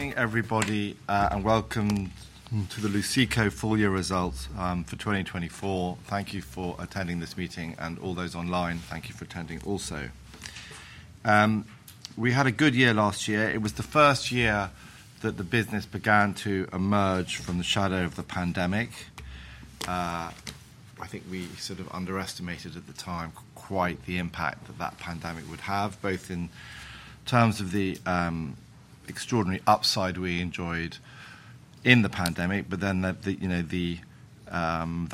Good morning, everybody, and welcome to the Luceco Full Year results for 2024. Thank you for attending this meeting, and all those online, thank you for attending also. We had a good year last year. It was the first year that the business began to emerge from the shadow of the pandemic. I think we sort of underestimated at the time quite the impact that that pandemic would have, both in terms of the extraordinary upside we enjoyed in the pandemic, but then the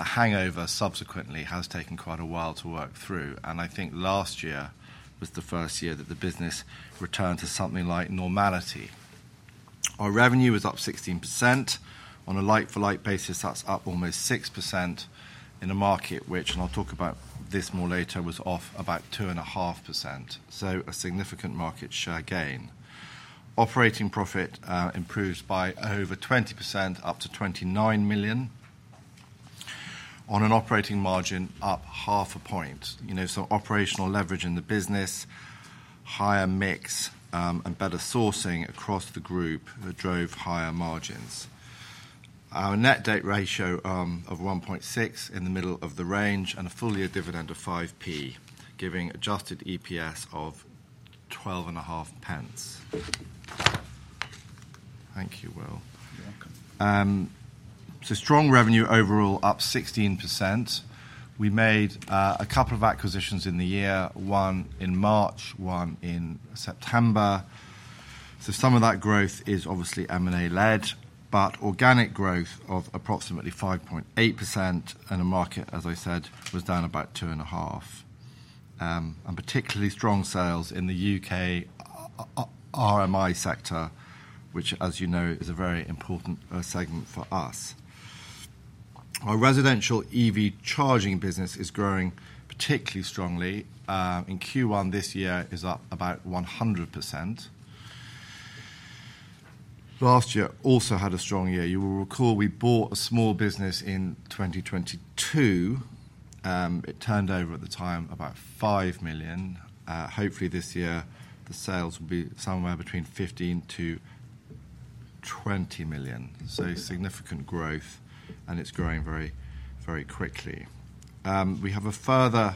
hangover subsequently has taken quite a while to work through. I think last year was the first year that the business returned to something like normality. Our revenue was up 16%. On a like-for-like basis, that's up almost 6% in a market which, and I'll talk about this more later, was off about 2.5%. A significant market share gain. Operating profit improved by over 20%, up to 29 million. On an operating margin, up half a percentage point. Operational leverage in the business, higher mix, and better sourcing across the group drove higher margins. Our net debt ratio of 1.6 in the middle of the range and a full-year dividend of 0.05, giving adjusted EPS of 12.5 pence. Thank you, Will. You're welcome. Strong revenue overall, up 16%. We made a couple of acquisitions in the year, one in March, one in September. Some of that growth is obviously M&A-led, but organic growth of approximately 5.8%, and the market, as I said, was down about 2.5%. Particularly strong sales in the U.K. RMI sector, which, as you know, is a very important segment for us. Our residential EV charging business is growing particularly strongly. In Q1 this year, it is up about 100%. Last year also had a strong year. You will recall we bought a small business in 2022. It turned over at the time about 5 million. Hopefully, this year, the sales will be somewhere between 15-20 million. Significant growth, and it is growing very, very quickly. We have a further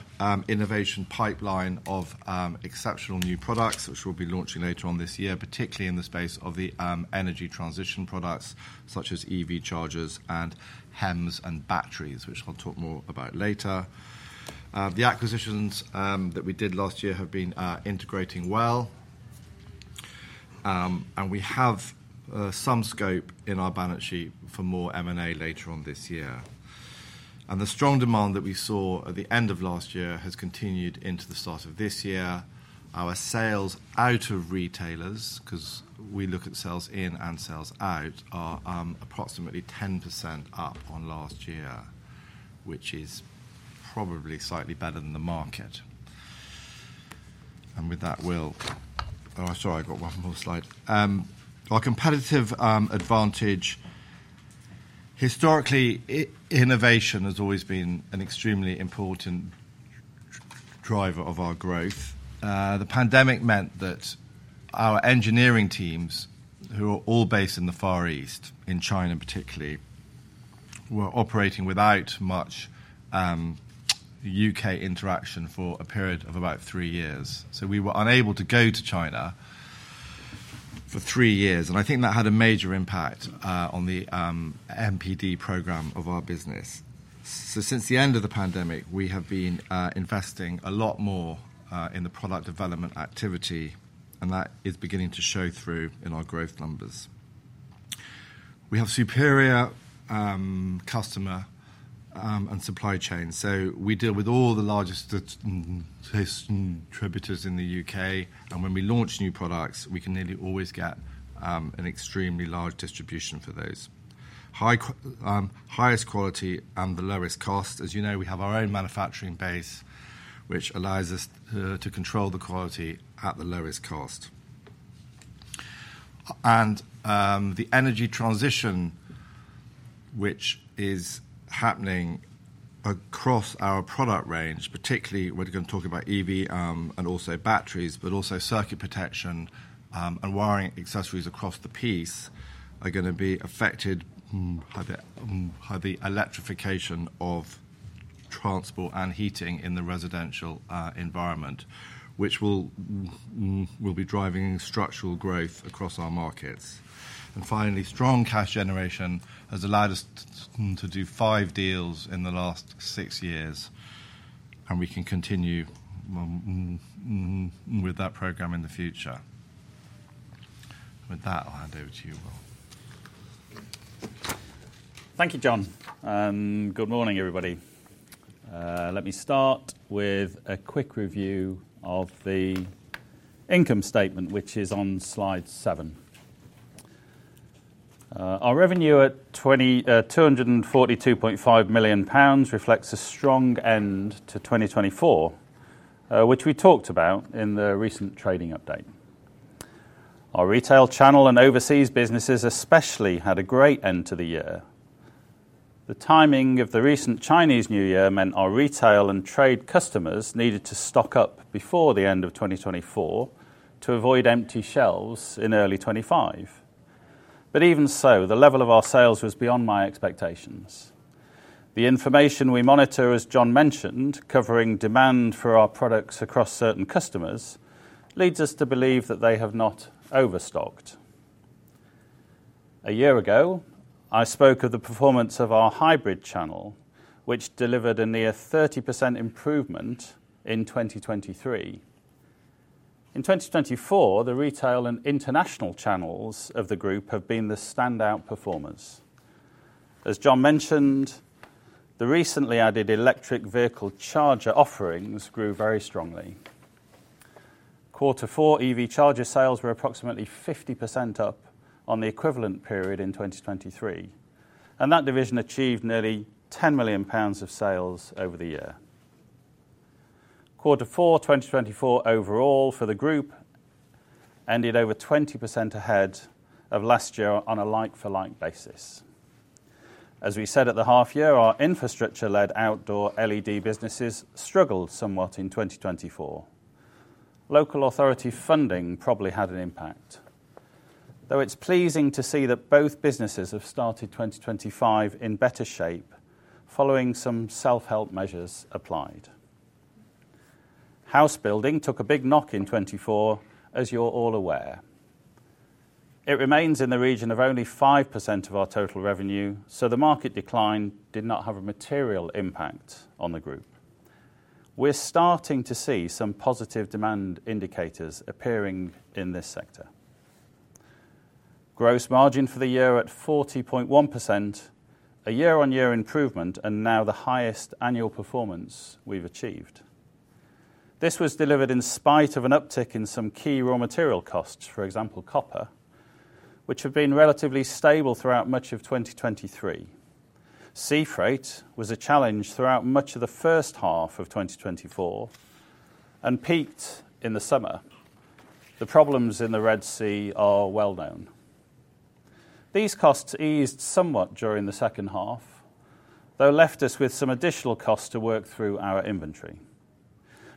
innovation pipeline of exceptional new products, which we'll be launching later on this year, particularly in the space of the energy transition products, such as EV chargers and HEMS and batteries, which I'll talk more about later. The acquisitions that we did last year have been integrating well. We have some scope in our balance sheet for more M&A later on this year. The strong demand that we saw at the end of last year has continued into the start of this year. Our sales out of retailers, because we look at sales in and sales out, are approximately 10% up on last year, which is probably slightly better than the market. With that, Will, oh, sorry, I got one more slide. Our competitive advantage, historically, innovation has always been an extremely important driver of our growth. The pandemic meant that our engineering teams, who are all based in the Far East, in China particularly, were operating without much U.K. interaction for a period of about three years. We were unable to go to China for three years. I think that had a major impact on the NPD program of our business. Since the end of the pandemic, we have been investing a lot more in the product development activity, and that is beginning to show through in our growth numbers. We have superior customer and supply chain. We deal with all the largest distributors in the U.K., and when we launch new products, we can nearly always get an extremely large distribution for those. Highest quality and the lowest cost. As you know, we have our own manufacturing base, which allows us to control the quality at the lowest cost. The energy transition, which is happening across our product range, particularly we're going to talk about EV and also batteries, but also circuit protection and wiring accessories across the piece are going to be affected by the electrification of transport and heating in the residential environment, which will be driving structural growth across our markets. Finally, strong cash generation has allowed us to do five deals in the last six years, and we can continue with that program in the future. With that, I'll hand over to you, Will. Thank you, John. Good morning, everybody. Let me start with a quick review of the income statement, which is on slide seven. Our revenue at 242.5 million pounds reflects a strong end to 2024, which we talked about in the recent trading update. Our retail channel and overseas businesses especially had a great end to the year. The timing of the recent Chinese New Year meant our retail and trade customers needed to stock up before the end of 2024 to avoid empty shelves in early 2025. Even so, the level of our sales was beyond my expectations. The information we monitor, as John mentioned, covering demand for our products across certain customers, leads us to believe that they have not overstocked. A year ago, I spoke of the performance of our hybrid channel, which delivered a near 30% improvement in 2023. In 2024, the retail and international channels of the group have been the standout performers. As John mentioned, the recently added electric vehicle charger offerings grew very strongly. Quarter four EV charger sales were approximately 50% up on the equivalent period in 2023, and that division achieved nearly 10 million pounds of sales over the year. Quarter four 2024 overall for the group ended over 20% ahead of last year on a like-for-like basis. As we said at the half year, our infrastructure-led outdoor LED businesses struggled somewhat in 2024. Local authority funding probably had an impact, though it is pleasing to see that both businesses have started 2025 in better shape following some self-help measures applied. House building took a big knock in 2024, as you are all aware. It remains in the region of only 5% of our total revenue, so the market decline did not have a material impact on the group. We are starting to see some positive demand indicators appearing in this sector. Gross margin for the year at 40.1%, a year-on-year improvement, and now the highest annual performance we have achieved. This was delivered in spite of an uptick in some key raw material costs, for example, copper, which have been relatively stable throughout much of 2023. Sea freight was a challenge throughout much of the first half of 2024 and peaked in the summer. The problems in the Red Sea are well known. These costs eased somewhat during the second half, though left us with some additional costs to work through our inventory.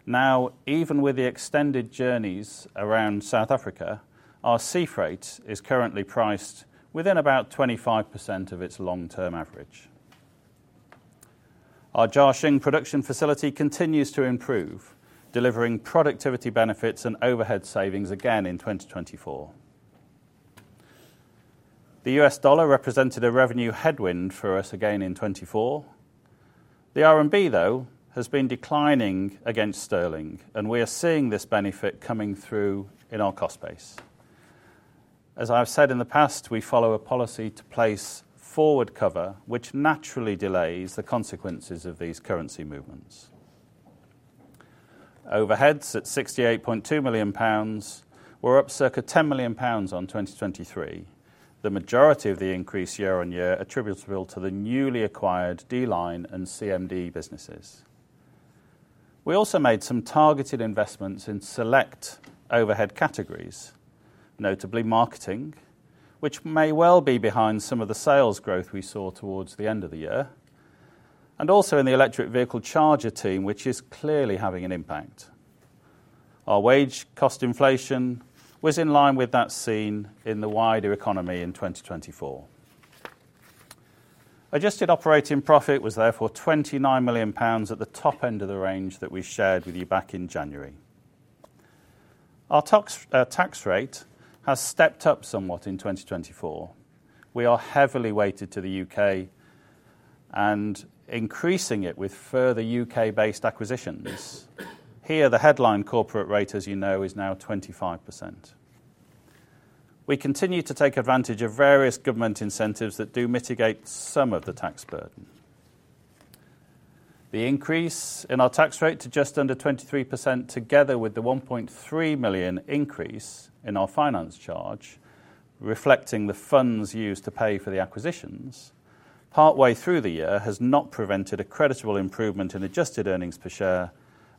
Now, even with the extended journeys around South Africa, our sea freight is currently priced within about 25% of its long-term average. Our Jiaxing production facility continues to improve, delivering productivity benefits and overhead savings again in 2024. The US dollar represented a revenue headwind for us again in 2024. The RMB, though, has been declining against sterling, and we are seeing this benefit coming through in our cost base. As I've said in the past, we follow a policy to place forward cover, which naturally delays the consequences of these currency movements. Overheads at GBP 68.2 million were up circa GBP 10 million on 2023. The majority of the increase year on year attributable to the newly acquired D-Line and CMD businesses. We also made some targeted investments in select overhead categories, notably marketing, which may well be behind some of the sales growth we saw towards the end of the year, and also in the electric vehicle charger team, which is clearly having an impact. Our wage cost inflation was in line with that seen in the wider economy in 2024. Adjusted operating profit was therefore 29 million pounds at the top end of the range that we shared with you back in January. Our tax rate has stepped up somewhat in 2024. We are heavily weighted to the U.K. and increasing it with further U.K.-based acquisitions. Here, the headline corporate rate, as you know, is now 25%. We continue to take advantage of various government incentives that do mitigate some of the tax burden. The increase in our tax rate to just under 23%, together with the £1.3 million increase in our finance charge, reflecting the funds used to pay for the acquisitions partway through the year, has not prevented a creditable improvement in adjusted earnings per share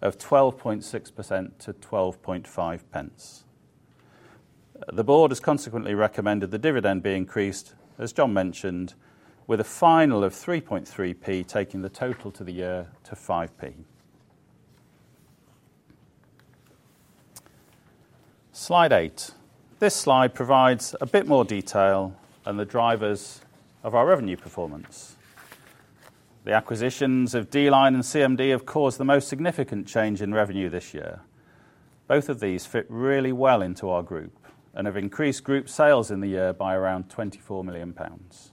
of 12.6% to 12.5 pence. The board has consequently recommended the dividend be increased, as John mentioned, with a final of 3.3 pence taking the total for the year to 5 pence. Slide eight. This slide provides a bit more detail and the drivers of our revenue performance. The acquisitions of D-Line and CMD have caused the most significant change in revenue this year. Both of these fit really well into our group and have increased group sales in the year by around 24 million pounds.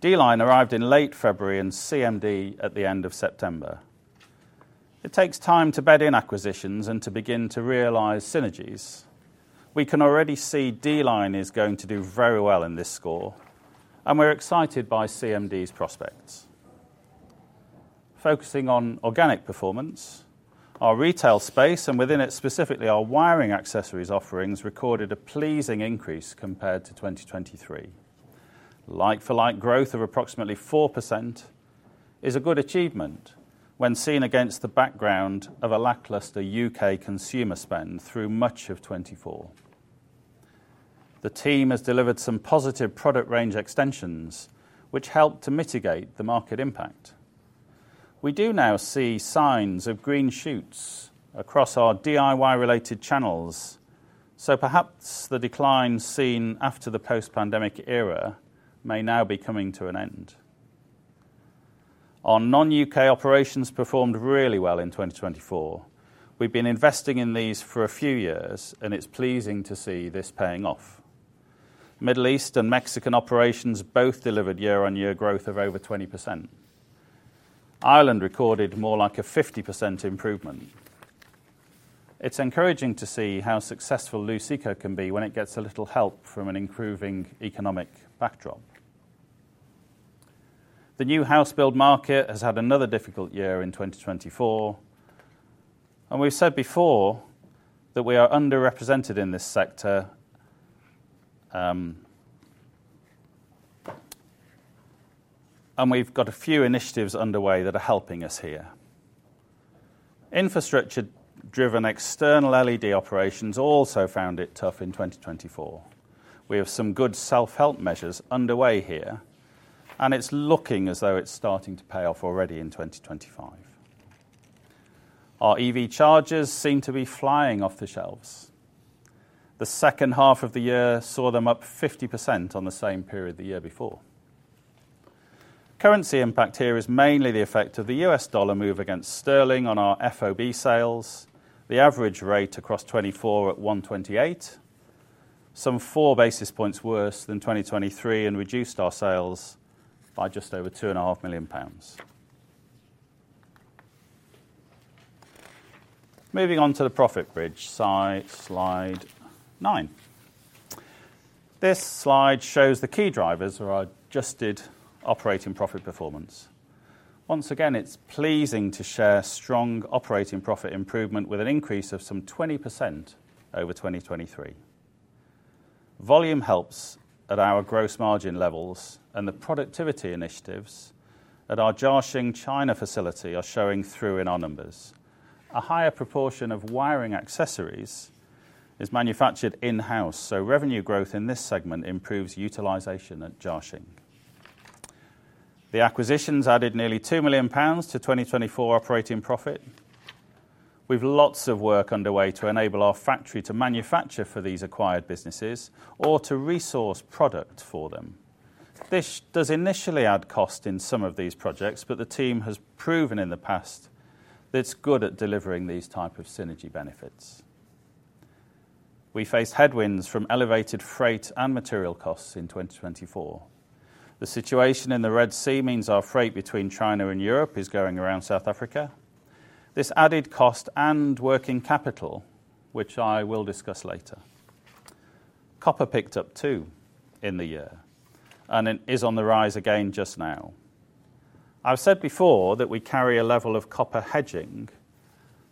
D-Line arrived in late February and CMD at the end of September. It takes time to bed in acquisitions and to begin to realize synergies. We can already see D-Line is going to do very well in this score, and we're excited by CMD's prospects. Focusing on organic performance, our retail space, and within it specifically our wiring accessories offerings recorded a pleasing increase compared to 2023. Like-for-like growth of approximately 4% is a good achievement when seen against the background of a lackluster U.K. consumer spend through much of 2024. The team has delivered some positive product range extensions, which helped to mitigate the market impact. We do now see signs of green shoots across our DIY-related channels, so perhaps the decline seen after the post-pandemic era may now be coming to an end. Our non-U.K. operations performed really well in 2024. We've been investing in these for a few years, and it's pleasing to see this paying off. Middle East and Mexican operations both delivered year-on-year growth of over 20%. Ireland recorded more like a 50% improvement. It's encouraging to see how successful Luceco can be when it gets a little help from an improving economic backdrop. The new house-build market has had another difficult year in 2024, and we've said before that we are underrepresented in this sector, and we've got a few initiatives underway that are helping us here. Infrastructure-driven external LED operations also found it tough in 2024. We have some good self-help measures underway here, and it's looking as though it's starting to pay off already in 2025. Our EV chargers seem to be flying off the shelves. The second half of the year saw them up 50% on the same period the year before. Currency impact here is mainly the effect of the US dollar move against sterling on our FOB sales, the average rate across 2024 at 1.28, some four basis points worse than 2023, and reduced our sales by just over 2.5 million pounds. Moving on to the profit bridge slide, slide nine. This slide shows the key drivers of our adjusted operating profit performance. Once again, it's pleasing to share strong operating profit improvement with an increase of some 20% over 2023. Volume helps at our gross margin levels, and the productivity initiatives at our Jiaxing China facility are showing through in our numbers. A higher proportion of wiring accessories is manufactured in-house, so revenue growth in this segment improves utilization at Jiaxing. The acquisitions added nearly 2 million pounds to 2024 operating profit. We've lots of work underway to enable our factory to manufacture for these acquired businesses or to resource product for them. This does initially add cost in some of these projects, but the team has proven in the past that it's good at delivering these types of synergy benefits. We faced headwinds from elevated freight and material costs in 2024. The situation in the Red Sea means our freight between China and Europe is going around South Africa. This added cost and working capital, which I will discuss later. Copper picked up too in the year and is on the rise again just now. I've said before that we carry a level of copper hedging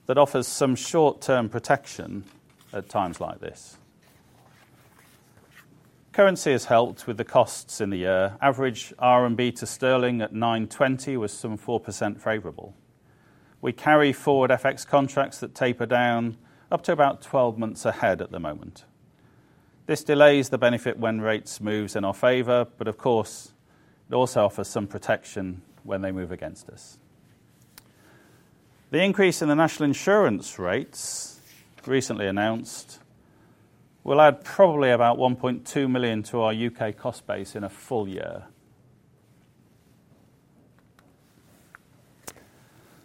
that offers some short-term protection at times like this. Currency has helped with the costs in the year. Average RMB to sterling at 9.20 was some 4% favorable. We carry forward FX contracts that taper down up to about 12 months ahead at the moment. This delays the benefit when rates move in our favor, but of course, it also offers some protection when they move against us. The increase in the national insurance rates recently announced will add probably about 1.2 million to our U.K. cost base in a full year.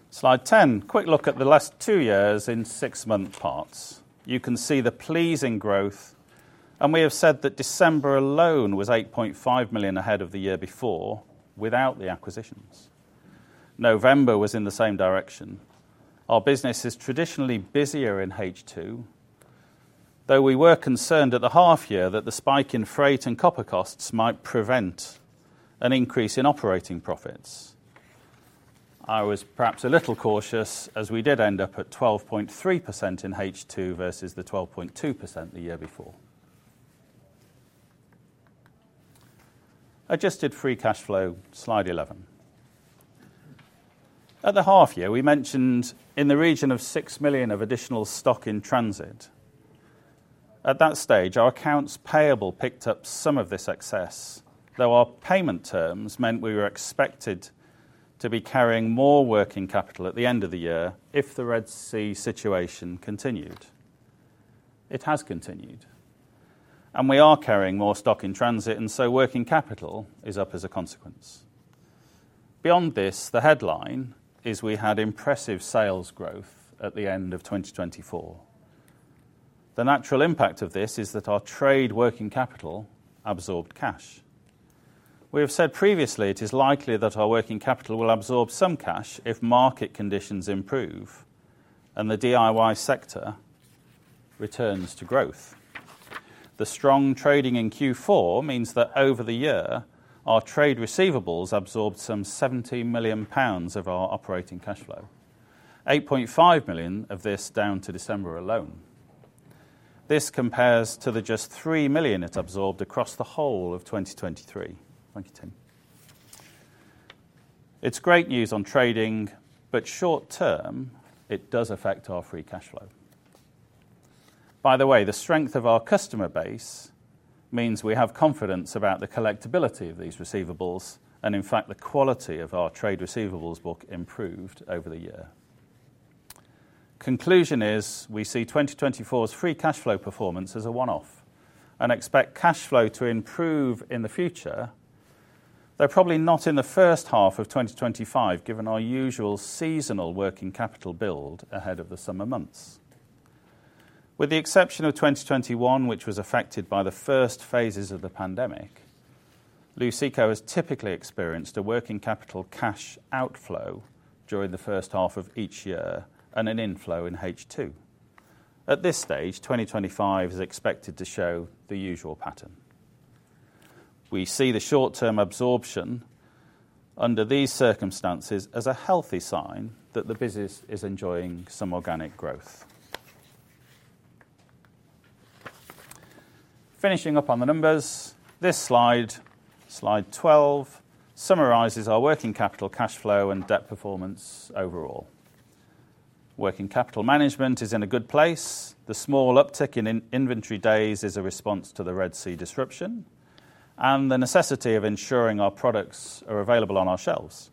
Slide 10, quick look at the last two years in six-month parts. You can see the pleasing growth, and we have said that December alone was 8.5 million ahead of the year before without the acquisitions. November was in the same direction. Our business is traditionally busier in H2, though we were concerned at the half year that the spike in freight and copper costs might prevent an increase in operating profits. I was perhaps a little cautious as we did end up at 12.3% in H2 versus the 12.2% the year before. Adjusted free cash flow, slide 11. At the half year, we mentioned in the region of 6 million of additional stock in transit. At that stage, our accounts payable picked up some of this excess, though our payment terms meant we were expected to be carrying more working capital at the end of the year if the Red Sea situation continued. It has continued, and we are carrying more stock in transit, and so working capital is up as a consequence. Beyond this, the headline is we had impressive sales growth at the end of 2024. The natural impact of this is that our trade working capital absorbed cash. We have said previously it is likely that our working capital will absorb some cash if market conditions improve and the DIY sector returns to growth. The strong trading in Q4 means that over the year, our trade receivables absorbed some 17 million pounds of our operating cash flow, 8.5 million of this down to December alone. This compares to the just 3 million it absorbed across the whole of 2023. Thank you, Tim. It is great news on trading, but short-term, it does affect our free cash flow. By the way, the strength of our customer base means we have confidence about the collectibility of these receivables and, in fact, the quality of our trade receivables book improved over the year. Conclusion is we see 2024's free cash flow performance as a one-off and expect cash flow to improve in the future, though probably not in the first half of 2025, given our usual seasonal working capital build ahead of the summer months. With the exception of 2021, which was affected by the first phases of the pandemic, Luceco has typically experienced a working capital cash outflow during the first half of each year and an inflow in H2. At this stage, 2025 is expected to show the usual pattern. We see the short-term absorption under these circumstances as a healthy sign that the business is enjoying some organic growth. Finishing up on the numbers, this slide, slide 12, summarizes our working capital cash flow and debt performance overall. Working capital management is in a good place. The small uptick in inventory days is a response to the Red Sea disruption and the necessity of ensuring our products are available on our shelves.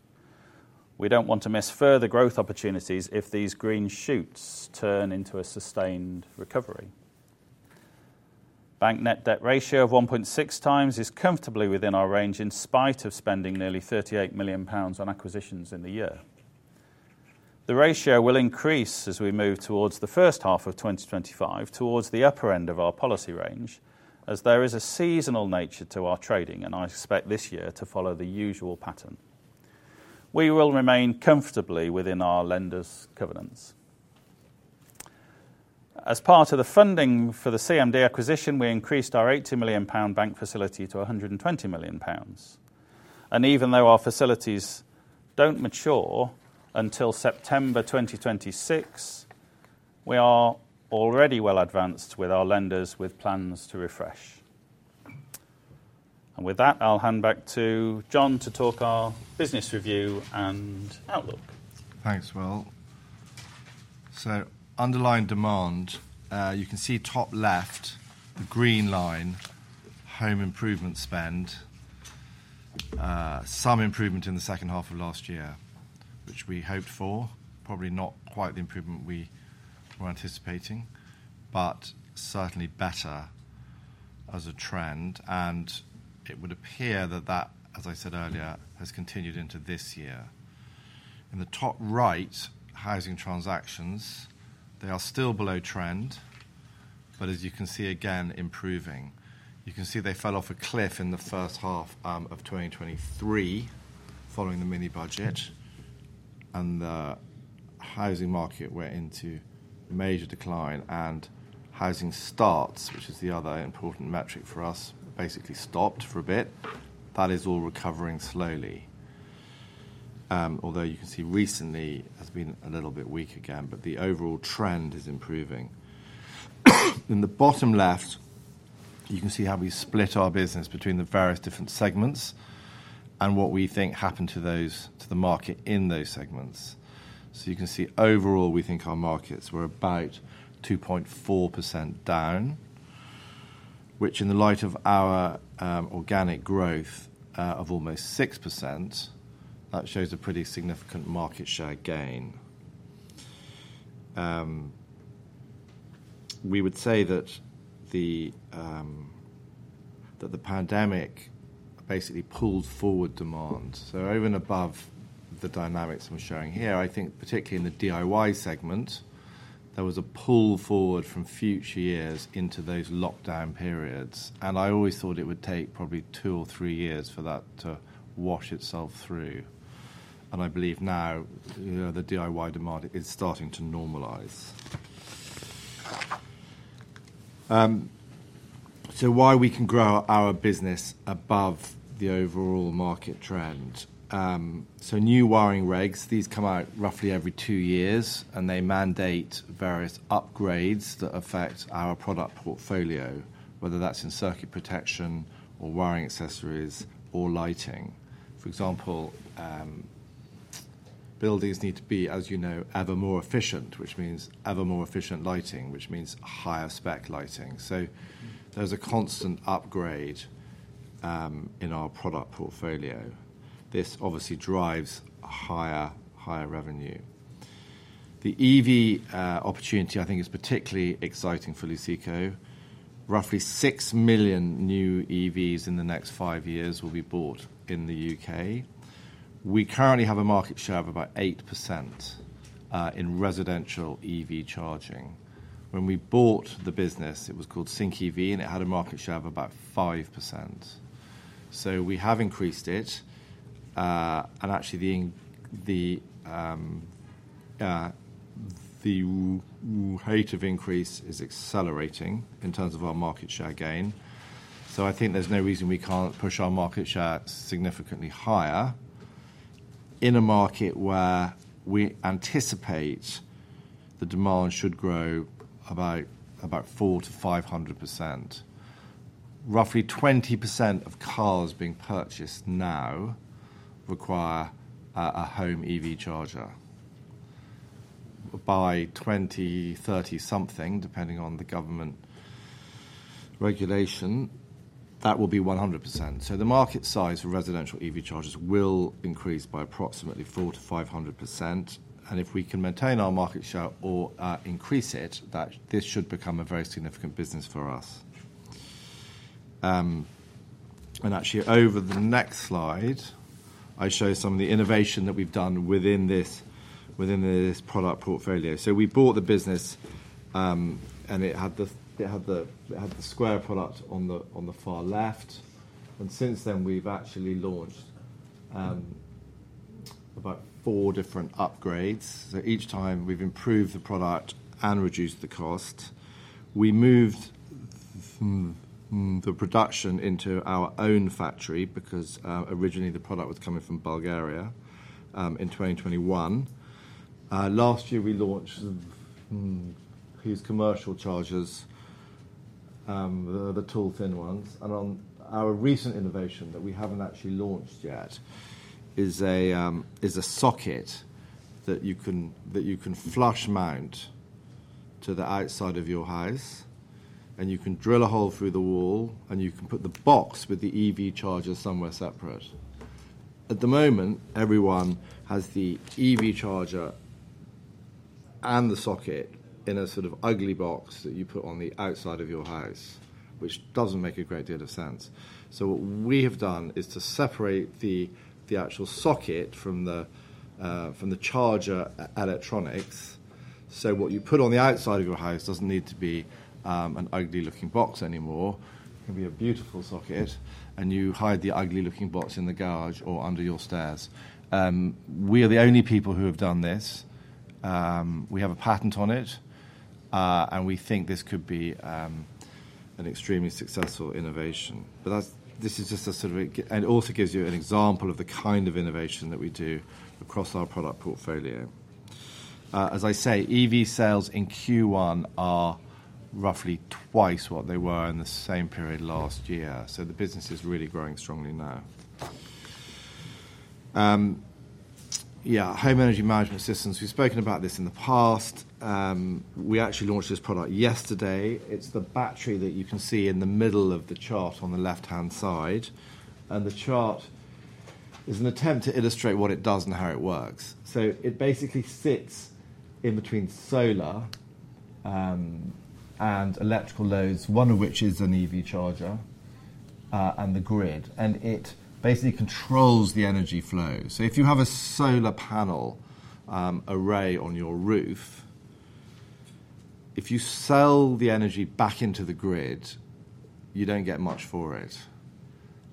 We do not want to miss further growth opportunities if these green shoots turn into a sustained recovery. Bank net debt ratio of 1.6 times is comfortably within our range in spite of spending nearly 38 million pounds on acquisitions in the year. The ratio will increase as we move towards the first half of 2025 towards the upper end of our policy range, as there is a seasonal nature to our trading, and I expect this year to follow the usual pattern. We will remain comfortably within our lender's covenants. As part of the funding for the CMD acquisition, we increased our 80 million pound bank facility to 120 million pounds. Even though our facilities do not mature until September 2026, we are already well advanced with our lenders with plans to refresh. With that, I will hand back to John to talk our business review and outlook. Thanks, Will. Underlying demand, you can see top left, the green line, home improvement spend, some improvement in the second half of last year, which we hoped for, probably not quite the improvement we were anticipating, but certainly better as a trend. It would appear that that, as I said earlier, has continued into this year. In the top right, housing transactions, they are still below trend, but as you can see again, improving. You can see they fell off a cliff in the first half of 2023 following the mini budget, and the housing market went into major decline, and housing starts, which is the other important metric for us, basically stopped for a bit. That is all recovering slowly, although you can see recently has been a little bit weak again, but the overall trend is improving. In the bottom left, you can see how we split our business between the various different segments and what we think happened to the market in those segments. You can see overall, we think our markets were about 2.4% down, which in the light of our organic growth of almost 6%, that shows a pretty significant market share gain. We would say that the pandemic basically pulled forward demand. Over and above the dynamics I'm sharing here, I think particularly in the DIY segment, there was a pull forward from future years into those lockdown periods. I always thought it would take probably two or three years for that to wash itself through. I believe now the DIY demand is starting to normalize. That is why we can grow our business above the overall market trend. New wiring regs come out roughly every two years, and they mandate various upgrades that affect our product portfolio, whether that's in circuit protection or wiring accessories or lighting. For example, buildings need to be, as you know, ever more efficient, which means ever more efficient lighting, which means higher spec lighting. There is a constant upgrade in our product portfolio. This obviously drives higher revenue. The EV opportunity, I think, is particularly exciting for Luceco. Roughly 6 million new EVs in the next five years will be bought in the U.K. We currently have a market share of about 8% in residential EV charging. When we bought the business, it was called Sync EV, and it had a market share of about 5%. We have increased it, and actually the rate of increase is accelerating in terms of our market share gain. I think there's no reason we can't push our market share significantly higher in a market where we anticipate the demand should grow about 4%-500%. Roughly 20% of cars being purchased now require a home EV charger. By 2030 something, depending on the government regulation, that will be 100%. The market size for residential EV chargers will increase by approximately 4%-500%. If we can maintain our market share or increase it, this should become a very significant business for us. Actually, over the next slide, I show some of the innovation that we have done within this product portfolio. We bought the business, and it had the square product on the far left. Since then, we have actually launched about four different upgrades. Each time we have improved the product and reduced the cost. We moved the production into our own factory because originally the product was coming from Bulgaria in 2021. Last year, we launched these commercial chargers, the tall thin ones. Our recent innovation that we have not actually launched yet is a socket that you can flush mount to the outside of your house, and you can drill a hole through the wall, and you can put the box with the EV charger somewhere separate. At the moment, everyone has the EV charger and the socket in a sort of ugly box that you put on the outside of your house, which does not make a great deal of sense. What we have done is to separate the actual socket from the charger electronics. What you put on the outside of your house does not need to be an ugly-looking box anymore. It can be a beautiful socket, and you hide the ugly-looking box in the garage or under your stairs. We are the only people who have done this. We have a patent on it, and we think this could be an extremely successful innovation. This is just a sort of, and it also gives you an example of the kind of innovation that we do across our product portfolio. As I say, EV sales in Q1 are roughly twice what they were in the same period last year. The business is really growing strongly now. Yeah, home energy management systems. We've spoken about this in the past. We actually launched this product yesterday. It's the battery that you can see in the middle of the chart on the left-hand side. The chart is an attempt to illustrate what it does and how it works. It basically sits in between solar and electrical loads, one of which is an EV charger and the grid. It basically controls the energy flow. If you have a solar panel array on your roof, if you sell the energy back into the grid, you don't get much for it.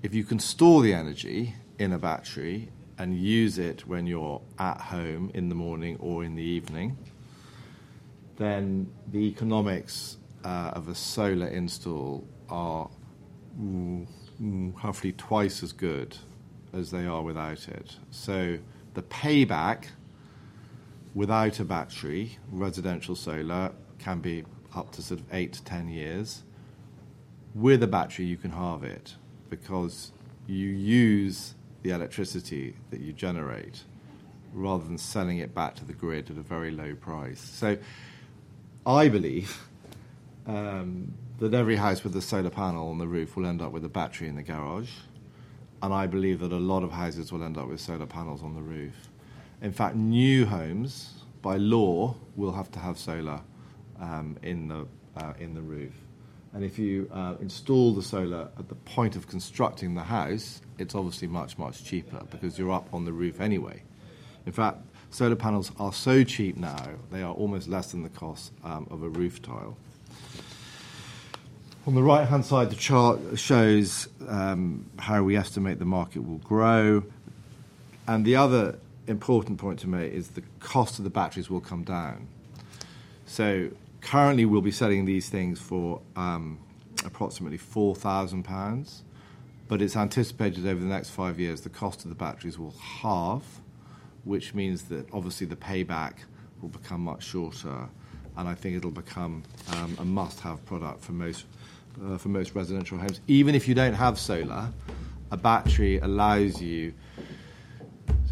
If you can store the energy in a battery and use it when you're at home in the morning or in the evening, then the economics of a solar install are roughly twice as good as they are without it. The payback without a battery, residential solar, can be up to 8-10 years. With a battery, you can halve it because you use the electricity that you generate rather than selling it back to the grid at a very low price. I believe that every house with a solar panel on the roof will end up with a battery in the garage. I believe that a lot of houses will end up with solar panels on the roof. In fact, new homes, by law, will have to have solar in the roof. If you install the solar at the point of constructing the house, it's obviously much, much cheaper because you're up on the roof anyway. In fact, solar panels are so cheap now, they are almost less than the cost of a roof tile. On the right-hand side, the chart shows how we estimate the market will grow. The other important point to me is the cost of the batteries will come down. Currently, we'll be selling these things for approximately 4,000 pounds, but it's anticipated over the next five years the cost of the batteries will halve, which means that obviously the payback will become much shorter. I think it'll become a must-have product for most residential homes. Even if you do not have solar, a battery allows you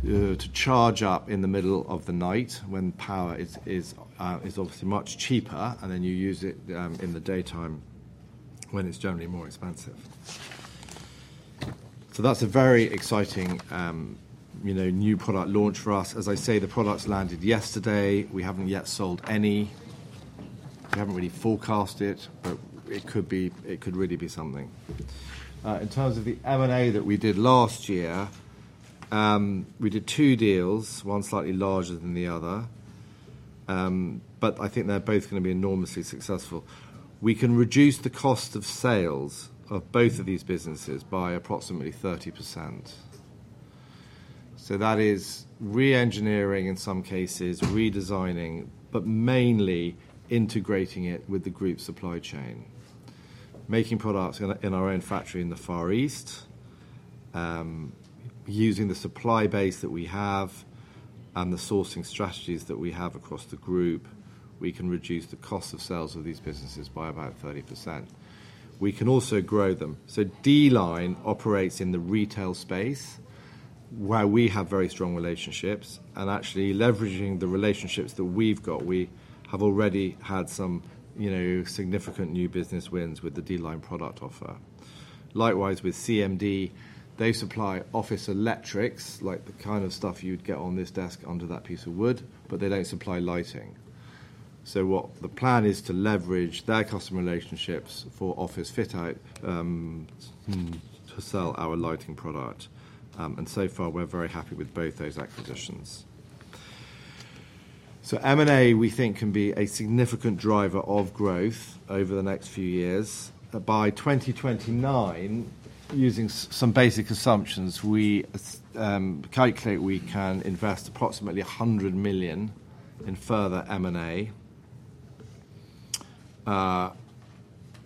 to charge up in the middle of the night when power is obviously much cheaper, and then you use it in the daytime when it is generally more expensive. That is a very exciting new product launch for us. As I say, the product's landed yesterday. We have not yet sold any. We have not really forecast it, but it could really be something. In terms of the M&A that we did last year, we did two deals, one slightly larger than the other, but I think they are both going to be enormously successful. We can reduce the cost of sales of both of these businesses by approximately 30%. That is re-engineering in some cases, redesigning, but mainly integrating it with the group supply chain. Making products in our own factory in the Far East, using the supply base that we have and the sourcing strategies that we have across the group, we can reduce the cost of sales of these businesses by about 30%. We can also grow them. D-Line operates in the retail space where we have very strong relationships and actually leveraging the relationships that we've got. We have already had some significant new business wins with the D-Line product offer. Likewise, with CMD, they supply office electrics, like the kind of stuff you'd get on this desk under that piece of wood, but they don't supply lighting. The plan is to leverage their customer relationships for office fit-out to sell our lighting product. So far, we're very happy with both those acquisitions. M&A, we think, can be a significant driver of growth over the next few years. By 2029, using some basic assumptions, we calculate we can invest approximately 100 million in further M&A.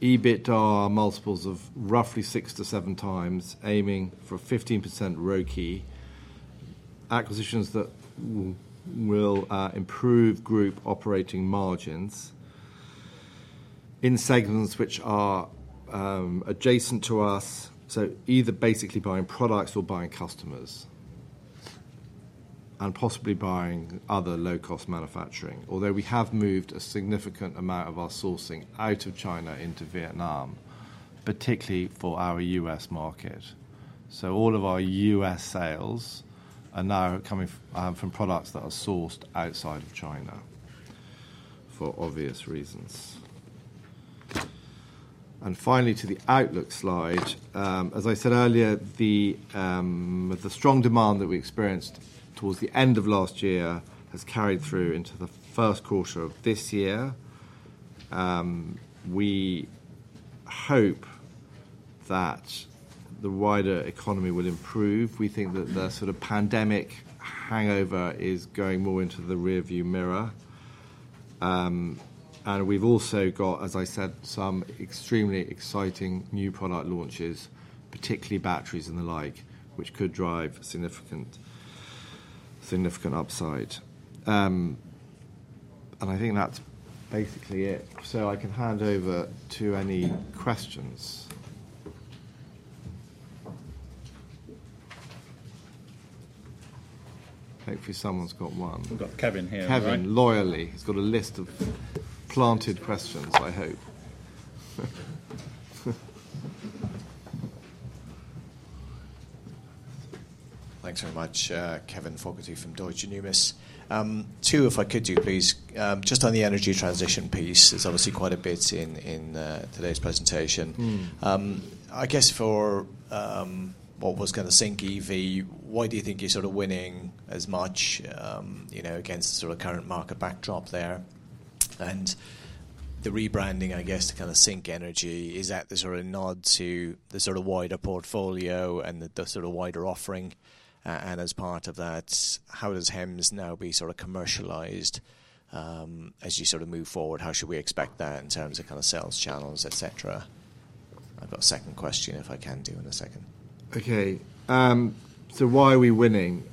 EBITDA multiples of roughly six to seven times, aiming for 15% ROCE. Acquisitions that will improve group operating margins in segments which are adjacent to us, so either basically buying products or buying customers and possibly buying other low-cost manufacturing. Although we have moved a significant amount of our sourcing out of China into Vietnam, particularly for our US market. All of our US sales are now coming from products that are sourced outside of China for obvious reasons. Finally, to the outlook slide. As I said earlier, the strong demand that we experienced towards the end of last year has carried through into the first quarter of this year. We hope that the wider economy will improve. We think that the sort of pandemic hangover is going more into the rearview mirror. We have also got, as I said, some extremely exciting new product launches, particularly batteries and the like, which could drive significant upside. I think that's basically it. I can hand over to any questions. Hopefully, someone's got one. We have Kevin here. Kevin, loyally. He has got a list of planted questions, I hope. Thanks very much, Kevin Fogarty from Deutsche Numis. Two, if I could, please. Just on the energy transition piece, it is obviously quite a bit in today's presentation. I guess for what was going to Sync EV, why do you think you are sort of winning as much against the sort of current market backdrop there? The rebranding, I guess, to kind of Sync Energy, is that the sort of nod to the sort of wider portfolio and the sort of wider offering? As part of that, how does HEMS now be sort of commercialized as you sort of move forward? How should we expect that in terms of kind of sales channels, etc.? I've got a second question, if I can do in a second. Okay. Why are we winning?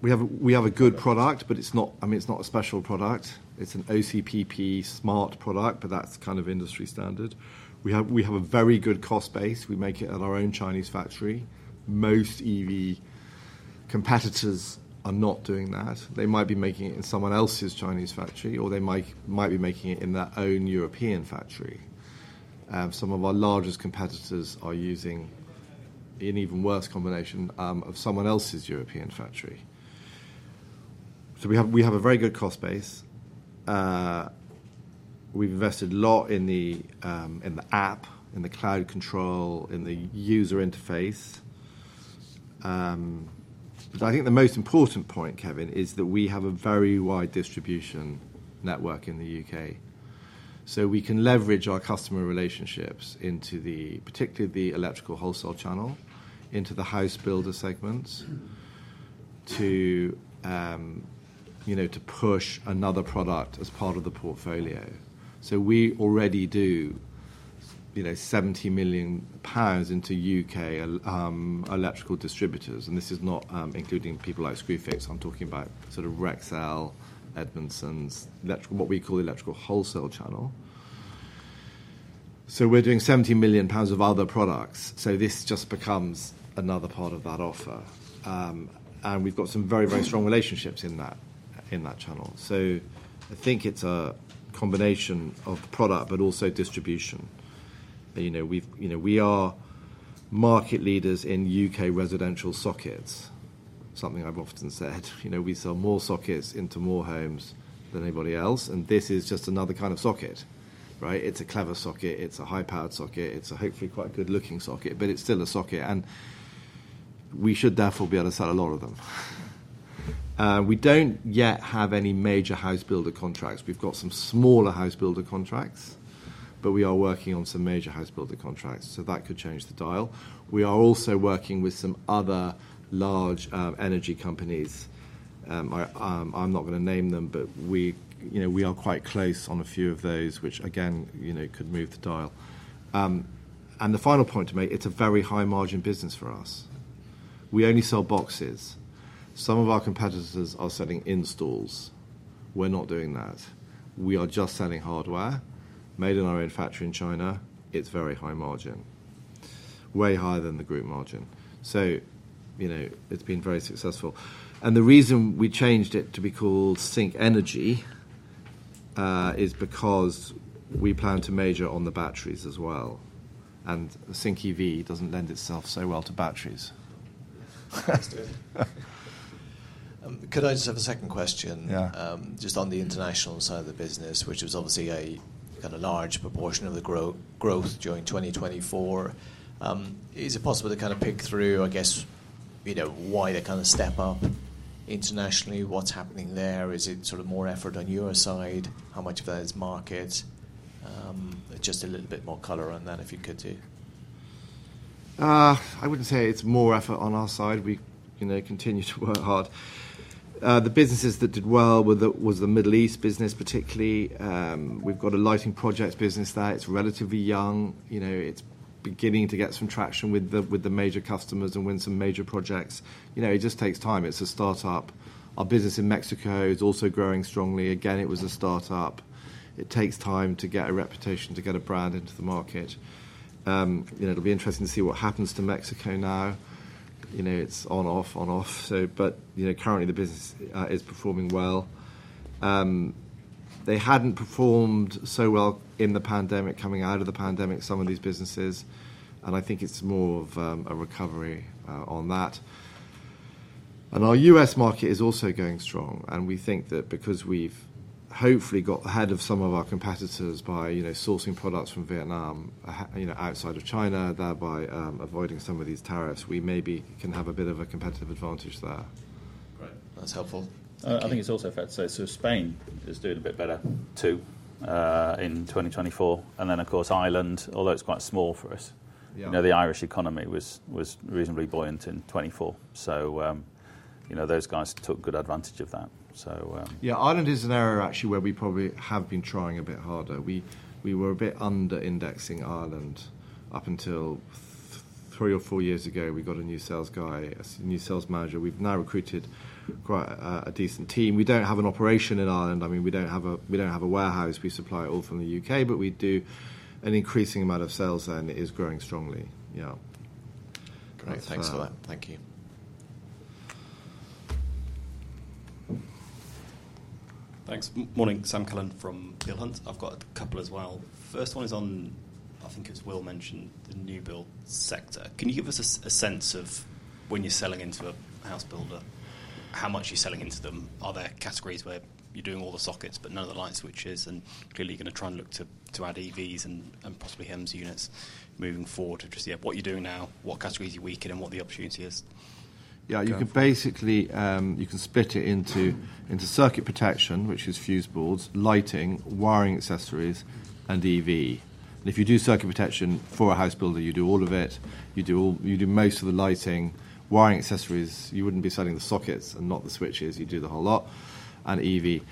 We have a good product, but I mean, it's not a special product. It's an OCPP smart product, but that's kind of industry standard. We have a very good cost base. We make it at our own Chinese factory. Most EV competitors are not doing that. They might be making it in someone else's Chinese factory, or they might be making it in their own European factory. Some of our largest competitors are using an even worse combination of someone else's European factory. We have a very good cost base. We have invested a lot in the app, in the cloud control, in the user interface. I think the most important point, Kevin, is that we have a very wide distribution network in the U.K. We can leverage our customer relationships into particularly the electrical wholesale channel, into the house builder segments, to push another product as part of the portfolio. We already do GBP 70 million into U.K. electrical distributors. This is not including people like Screwfix. I am talking about sort of Rexel, Edmundson Electrical, what we call the electrical wholesale channel. We are doing 70 million pounds of other products. This just becomes another part of that offer. We have some very, very strong relationships in that channel. I think it's a combination of product, but also distribution. We are market leaders in U.K. residential sockets, something I've often said. We sell more sockets into more homes than anybody else. This is just another kind of socket, right? It's a clever socket. It's a high-powered socket. It's hopefully quite a good-looking socket, but it's still a socket. We should therefore be able to sell a lot of them. We don't yet have any major house builder contracts. We've got some smaller house builder contracts, but we are working on some major house builder contracts. That could change the dial. We are also working with some other large energy companies. I'm not going to name them, but we are quite close on a few of those, which, again, could move the dial. The final point to make, it's a very high-margin business for us. We only sell boxes. Some of our competitors are selling installs. We're not doing that. We are just selling hardware made in our own factory in China. It's very high margin, way higher than the group margin. It has been very successful. The reason we changed it to be called Sync Energy is because we plan to major on the batteries as well. Sync EV does not lend itself so well to batteries. Could I just have a second question? Yeah. Just on the international side of the business, which is obviously a kind of large proportion of the growth during 2024, is it possible to kind of pick through, I guess, why they kind of step up internationally? What's happening there? Is it sort of more effort on your side? How much of that is market? Just a little bit more color on that, if you could, too. I wouldn't say it's more effort on our side. We continue to work hard. The businesses that did well was the Middle East business, particularly. We've got a lighting projects business there. It's relatively young. It's beginning to get some traction with the major customers and win some major projects. It just takes time. It's a startup. Our business in Mexico is also growing strongly. Again, it was a startup. It takes time to get a reputation, to get a brand into the market. It'll be interesting to see what happens to Mexico now. It's on, off, on, off. Currently, the business is performing well. They hadn't performed so well in the pandemic, coming out of the pandemic, some of these businesses. I think it's more of a recovery on that. Our US market is also going strong. We think that because we've hopefully got ahead of some of our competitors by sourcing products from Vietnam outside of China, thereby avoiding some of these tariffs, we maybe can have a bit of a competitive advantage there. Great. That's helpful. I think it's also fair to say Spain is doing a bit better too in 2024. Of course, Ireland, although it's quite small for us. The Irish economy was reasonably buoyant in 2024. Those guys took good advantage of that. Yeah, Ireland is an area, actually, where we probably have been trying a bit harder. We were a bit under-indexing Ireland up until three or four years ago. We got a new sales guy, a new sales manager. We've now recruited quite a decent team. We don't have an operation in Ireland. I mean, we don't have a warehouse. We supply it all from the U.K., but we do an increasing amount of sales there, and it is growing strongly. Yeah. Great. Thanks for that. Thank you. Thanks. Morning. Sam Cullen from Peel Hunt. I've got a couple as well. First one is on, I think it was Will mentioned, the new build sector. Can you give us a sense of when you're selling into a house builder, how much you're selling into them? Are there categories where you're doing all the sockets, but none of the light switches? Clearly, you're going to try and look to add EVs and possibly HEMS units moving forward. Just, yeah, what you're doing now, what categories you're weakening, and what the opportunity is. Yeah, you can basically split it into circuit protection, which is fuse boards, lighting, wiring accessories, and EV. If you do circuit protection for a house builder, you do all of it. You do most of the lighting, wiring accessories. You would not be selling the sockets and not the switches. You do the whole lot and EV.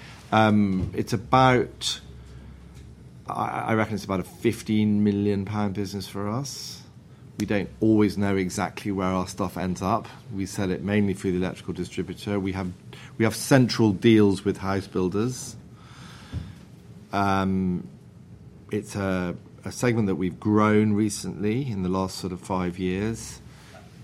I reckon it is about 15 million pound business for us. We do not always know exactly where our stuff ends up. We sell it mainly through the electrical distributor. We have central deals with house builders. It is a segment that we have grown recently in the last sort of five years.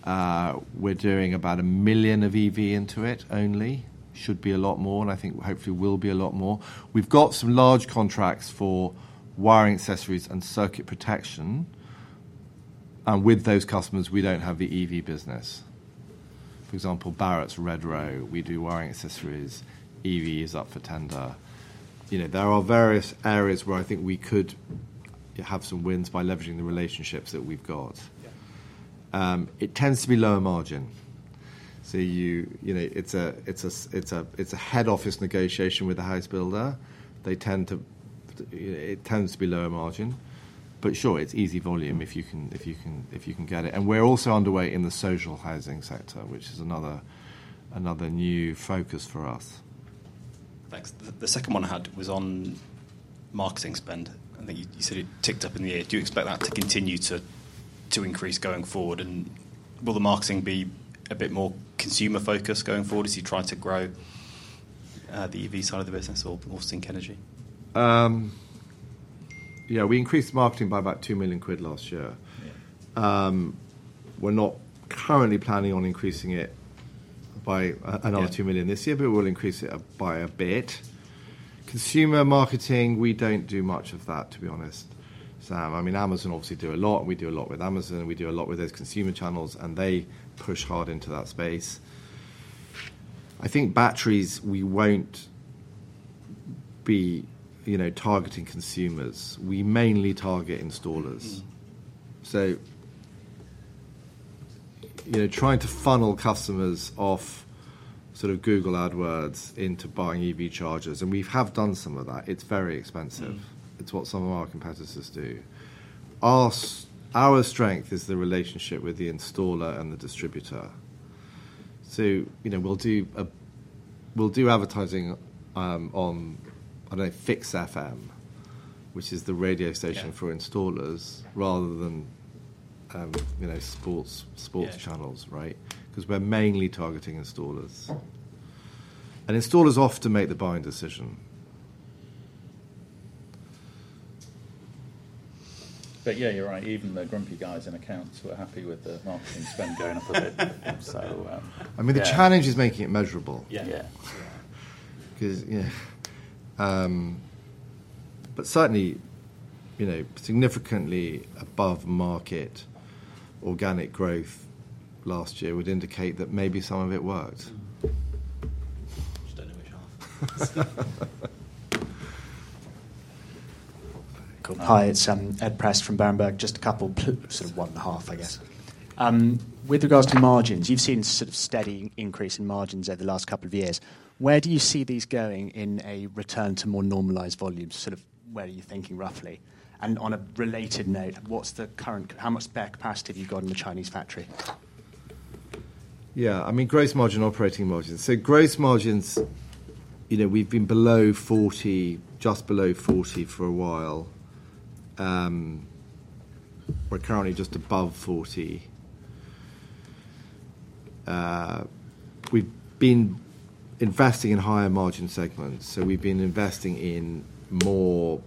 We are doing about 1 million of EV into it only. It should be a lot more, and I think hopefully will be a lot more. We have got some large contracts for wiring accessories and circuit protection. With those customers, we do not have the EV business. For example, Barratt's, Redrow. We do wiring accessories. EV is up for tender. There are various areas where I think we could have some wins by leveraging the relationships that we've got. It tends to be lower margin. It is a head office negotiation with a house builder. It tends to be lower margin. Sure, it is easy volume if you can get it. We are also underway in the social housing sector, which is another new focus for us. Thanks. The second one I had was on marketing spend. I think you said it ticked up in the year. Do you expect that to continue to increase going forward? Will the marketing be a bit more consumer-focused going forward as you try to grow the EV side of the business or Sync Energy? Yeah, we increased marketing by about 2 million quid last year. We're not currently planning on increasing it by another 2 million this year, but we'll increase it by a bit. Consumer marketing, we don't do much of that, to be honest, Sam. I mean, Amazon obviously do a lot. We do a lot with Amazon. We do a lot with those consumer channels, and they push hard into that space. I think batteries, we won't be targeting consumers. We mainly target installers. Trying to funnel customers off sort of Google AdWords into buying EV chargers. We have done some of that. It's very expensive. It's what some of our competitors do. Our strength is the relationship with the installer and the distributor. We'll do advertising on, I don't know, Fix FM, which is the radio station for installers, rather than sports channels, right? Because we're mainly targeting installers. Installers often make the buying decision. Yeah, you're right. Even the grumpy guys in accounts were happy with the marketing spend going up a bit. I mean, the challenge is making it measurable. Yeah. Certainly, significantly above market organic growth last year would indicate that maybe some of it worked. Just don't know which half. Hi, it's Ed Prest from Berenberg. Just a couple of sort of one and a half, I guess. With regards to margins, you've seen sort of steady increase in margins over the last couple of years. Where do you see these going in a return to more normalized volumes? Sort of where are you thinking roughly? On a related note, what's the current how much spare capacity have you got in the Chinese factory? Yeah, I mean, gross margin, operating margin. Gross margins, we've been below 40, just below 40 for a while. We're currently just above 40%. We've been investing in higher margin segments. We've been investing in more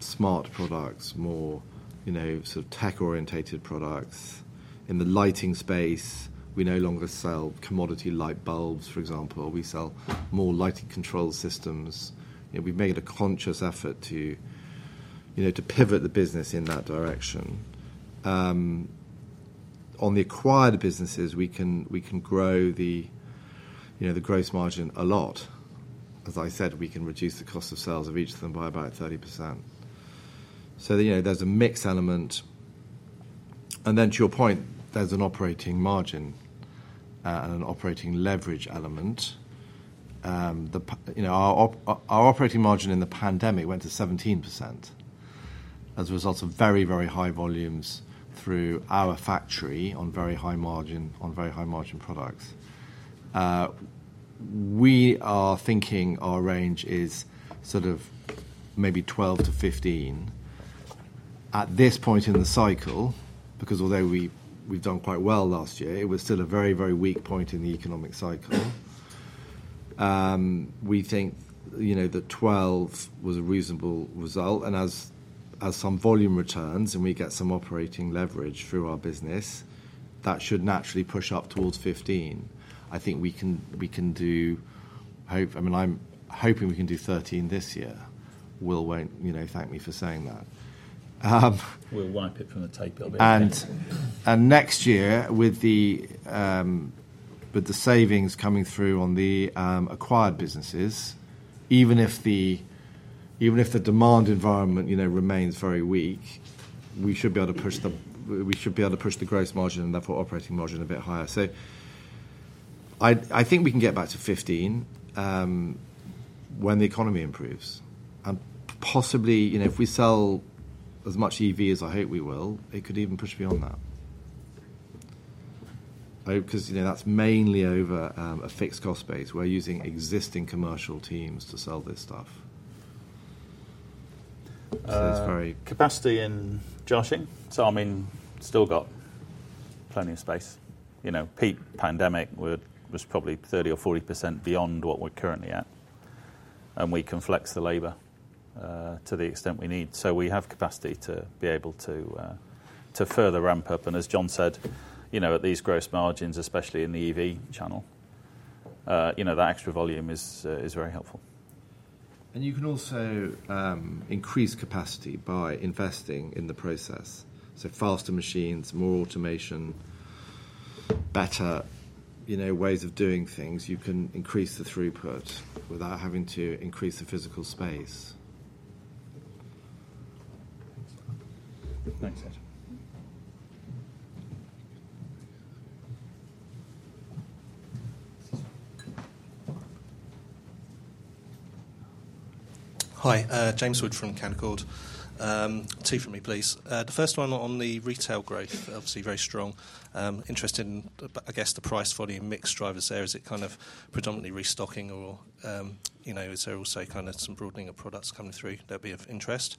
smart products, more sort of tech-orientated products. In the lighting space, we no longer sell commodity light bulbs, for example. We sell more lighting control systems. We've made a conscious effort to pivot the business in that direction. On the acquired businesses, we can grow the gross margin a lot. As I said, we can reduce the cost of sales of each of them by about 30%. So there's a mixed element. To your point, there's an operating margin and an operating leverage element. Our operating margin in the pandemic went to 17% as a result of very, very high volumes through our factory on very high margin, on very high margin products. We are thinking our range is sort of maybe 12-15 at this point in the cycle, because although we've done quite well last year, it was still a very, very weak point in the economic cycle. We think that 12 was a reasonable result. As some volume returns and we get some operating leverage through our business, that should naturally push up towards 15. I think we can do, I mean, I'm hoping we can do 13 this year. Will won't thank me for saying that. We'll wipe it from the tape a little bit. Next year, with the savings coming through on the acquired businesses, even if the demand environment remains very weak, we should be able to push the gross margin and therefore operating margin a bit higher. I think we can get back to 15 when the economy improves. And possibly, if we sell as much EV as I hope we will, it could even push beyond that. Because that's mainly over a fixed cost base. We're using existing commercial teams to sell this stuff. It's very capacity in Jiaxing? I mean, still got plenty of space. Peak pandemic was probably 30-40% beyond what we're currently at. We can flex the labor to the extent we need. We have capacity to be able to further ramp up. As John said, at these gross margins, especially in the EV channel, that extra volume is very helpful. You can also increase capacity by investing in the process. Faster machines, more automation, better ways of doing things. You can increase the throughput without having to increase the physical space. Thanks, Ed. Hi, James Wood from Canaccord. Two from me, please. The first one on the retail growth, obviously very strong. Interest in, I guess, the price volume mix drivers there. Is it kind of predominantly restocking or is there also kind of some broadening of products coming through that would be of interest?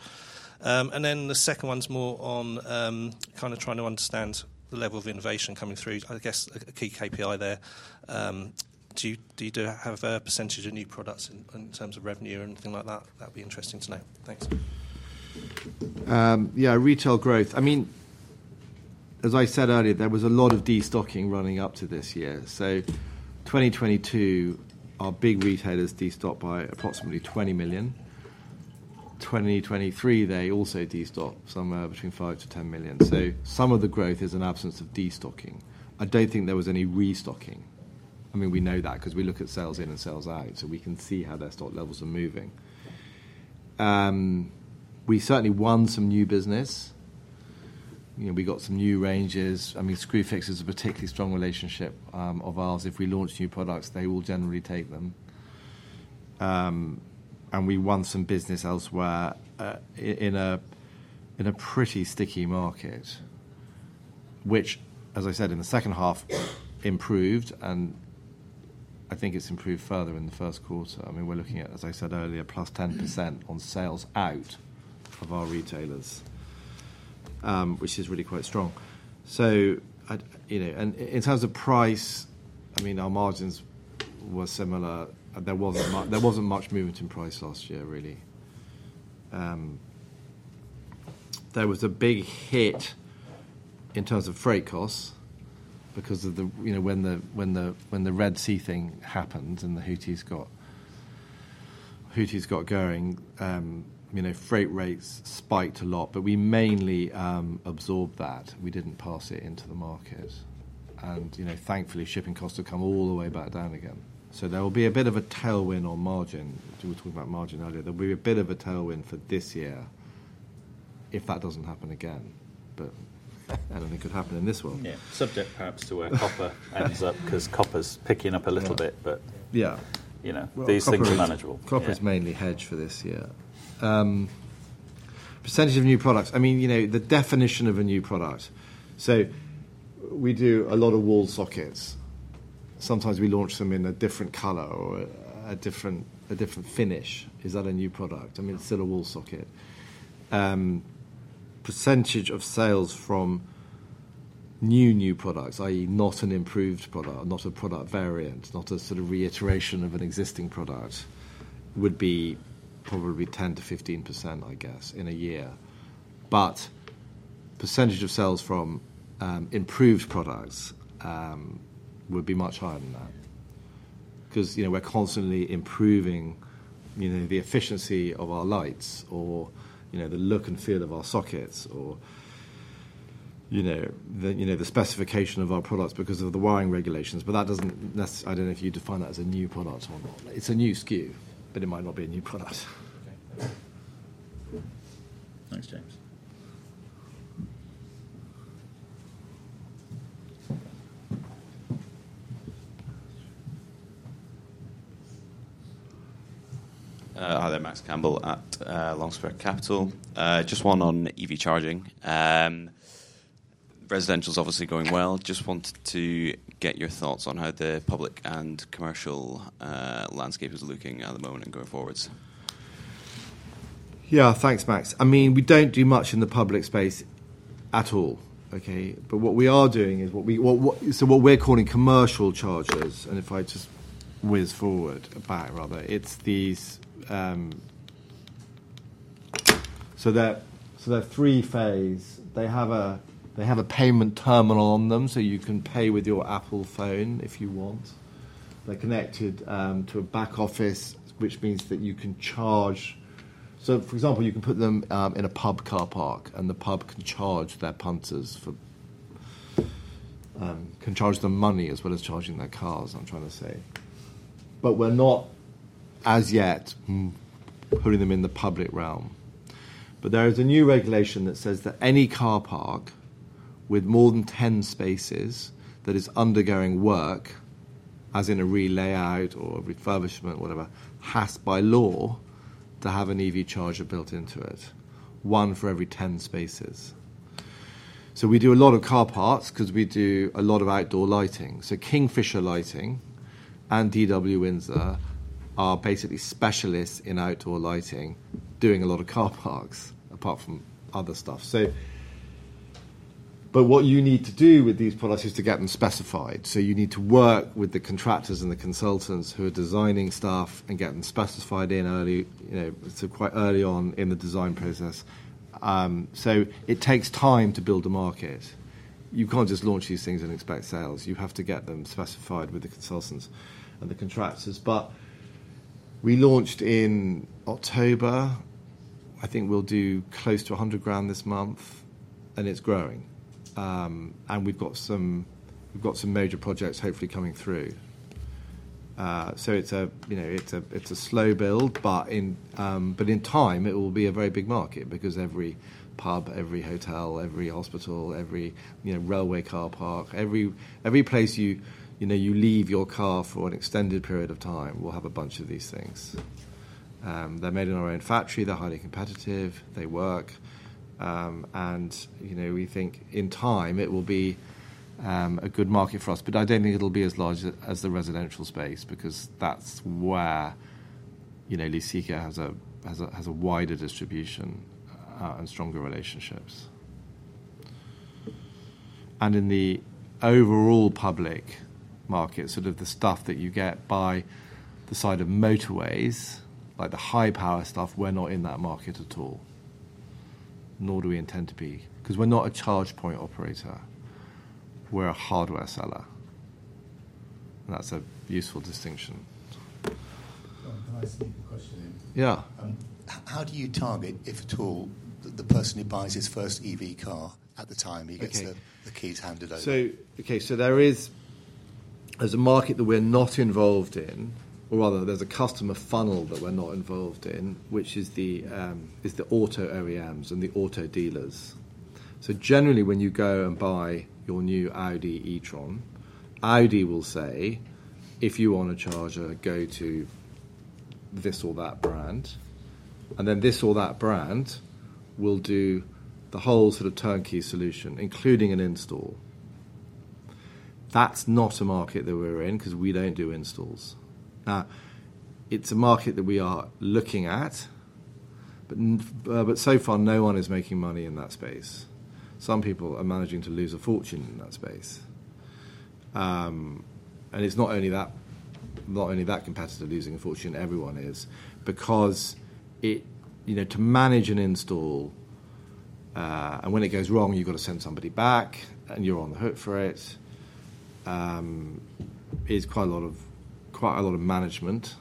The second one's more on kind of trying to understand the level of innovation coming through. I guess a key KPI there. Do you have a percentage of new products in terms of revenue or anything like that? That would be interesting to know. Thanks. Yeah, retail growth. I mean, as I said earlier, there was a lot of destocking running up to this year. So 2022, our big retailers destocked by approximately 20 million. 2023, they also destocked somewhere between 5-10 million. Some of the growth is an absence of destocking. I do not think there was any restocking. We know that because we look at sales in and sales out. We can see how their stock levels are moving. We certainly won some new business. We got some new ranges. Screwfix is a particularly strong relationship of ours. If we launch new products, they will generally take them. We won some business elsewhere in a pretty sticky market, which, as I said, in the second half, improved. I think it has improved further in the first quarter. We are looking at, as I said earlier, plus 10% on sales out of our retailers, which is really quite strong. In terms of price, our margins were similar. There was not much movement in price last year, really. There was a big hit in terms of freight costs because of when the Red Sea thing happened and the Houthis got going, freight rates spiked a lot. We mainly absorbed that. We did not pass it into the market. Thankfully, shipping costs have come all the way back down again. There will be a bit of a tailwind on margin. We were talking about margin earlier. There will be a bit of a tailwind for this year if that does not happen again. I do not think it could happen in this one. Yeah. Subject perhaps to where copper ends up because copper is picking up a little bit, but these things are manageable. Copper is mainly hedged for this year. Percentage of new products. I mean, the definition of a new product. We do a lot of wall sockets. Sometimes we launch them in a different color or a different finish. Is that a new product? I mean, it's still a wall socket. Percentage of sales from new, new products, i.e., not an improved product, not a product variant, not a sort of reiteration of an existing product, would be probably 10-15%, I guess, in a year. But percentage of sales from improved products would be much higher than that. Because we're constantly improving the efficiency of our lights or the look and feel of our sockets or the specification of our products because of the wiring regulations. That doesn't necessarily, I don't know if you define that as a new product or not. It's a new SKU, but it might not be a new product. Thanks, James. Hi there, Max Campbell at Longspur Capital. Just one on EV charging. Residential's obviously going well. Just wanted to get your thoughts on how the public and commercial landscape is looking at the moment and going forwards. Yeah, thanks, Max. I mean, we don't do much in the public space at all, okay? What we are doing is what we're calling commercial chargers. If I just whiz forward back, rather, it's these. They are three-phase. They have a payment terminal on them, so you can pay with your Apple phone if you want. They are connected to a back office, which means that you can charge. For example, you can put them in a pub car park, and the pub can charge their punters for can charge them money as well as charging their cars, I'm trying to say. We are not, as yet, putting them in the public realm. There is a new regulation that says that any car park with more than 10 spaces that is undergoing work, as in a relay out or refurbishment, whatever, has by law to have an EV charger built into it, one for every 10 spaces. We do a lot of car parks because we do a lot of outdoor lighting. Kingfisher Lighting and DW Windsor are basically specialists in outdoor lighting doing a lot of car parks, apart from other stuff. What you need to do with these products is to get them specified. You need to work with the contractors and the consultants who are designing stuff and get them specified in early to quite early on in the design process. It takes time to build a market. You can't just launch these things and expect sales. You have to get them specified with the consultants and the contractors. We launched in October. I think we'll do close to 100,000 this month, and it's growing. We have some major projects, hopefully, coming through. It is a slow build, but in time, it will be a very big market because every pub, every hotel, every hospital, every railway car park, every place you leave your car for an extended period of time will have a bunch of these things. They are made in our own factory. They are highly competitive. They work. We think, in time, it will be a good market for us. I do not think it will be as large as the residential space because that is where Luceco has a wider distribution and stronger relationships. In the overall public market, sort of the stuff that you get by the side of motorways, like the high-power stuff, we're not in that market at all. Nor do we intend to be. Because we're not a charge point operator. We're a hardware seller. That's a useful distinction. Can I ask you a question? Yeah. How do you target, if at all, the person who buys his first EV car at the time he gets the keys handed over? Okay. There is a market that we're not involved in, or rather, there's a customer funnel that we're not involved in, which is the auto OEMs and the auto dealers. Generally, when you go and buy your new Audi e-tron, Audi will say, "If you want a charger, go to this or that brand." Then this or that brand will do the whole sort of turnkey solution, including an install. That is not a market that we are in because we do not do installs. It is a market that we are looking at, but so far, no one is making money in that space. Some people are managing to lose a fortune in that space. It is not only that competitor losing a fortune; everyone is. Because to manage an install, and when it goes wrong, you have to send somebody back, and you are on the hook for it, is quite a lot of management.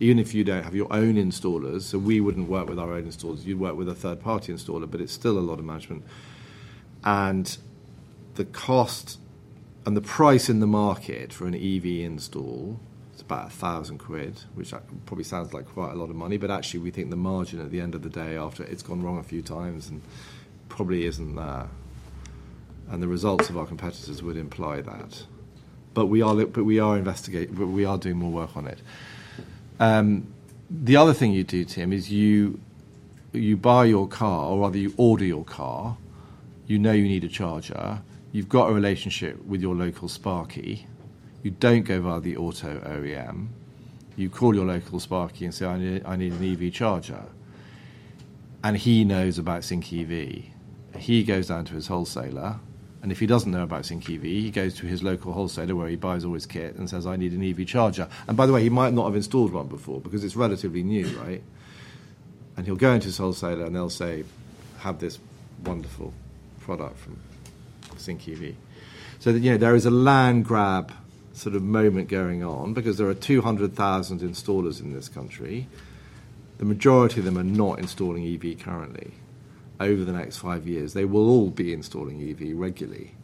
Even if you do not have your own installers, so we would not work with our own installers. You'd work with a third-party installer, but it's still a lot of management. The cost and the price in the market for an EV install, it's about 1,000 quid, which probably sounds like quite a lot of money. Actually, we think the margin at the end of the day after it's gone wrong a few times probably isn't there. The results of our competitors would imply that. We are investigating. We are doing more work on it. The other thing you do, Tim, is you buy your car, or rather, you order your car. You know you need a charger. You've got a relationship with your local Sparky. You don't go via the auto OEM. You call your local Sparky and say, "I need an EV charger." He knows about Sync EV. He goes down to his wholesaler. If he does not know about Sync EV, he goes to his local wholesaler where he buys all his kit and says, "I need an EV charger." By the way, he might not have installed one before because it is relatively new, right? He will go into his wholesaler, and they will say, "Have this wonderful product from Sync EV." There is a land grab sort of moment going on because there are 200,000 installers in this country. The majority of them are not installing EV currently. Over the next five years, they will all be installing EV regularly.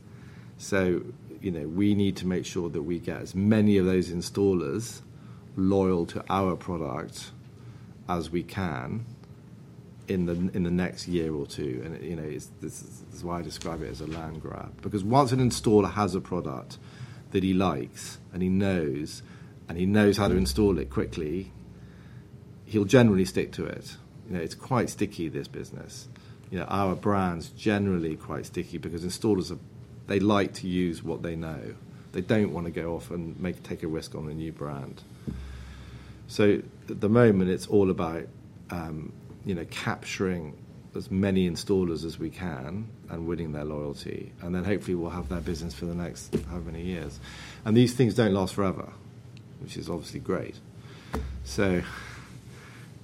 We need to make sure that we get as many of those installers loyal to our product as we can in the next year or two. This is why I describe it as a land grab. Because once an installer has a product that he likes and he knows and he knows how to install it quickly, he'll generally stick to it. It's quite sticky, this business. Our brand's generally quite sticky because installers, they like to use what they know. They don't want to go off and take a risk on a new brand. At the moment, it's all about capturing as many installers as we can and winning their loyalty. Hopefully, we'll have their business for the next however many years. These things don't last forever, which is obviously great.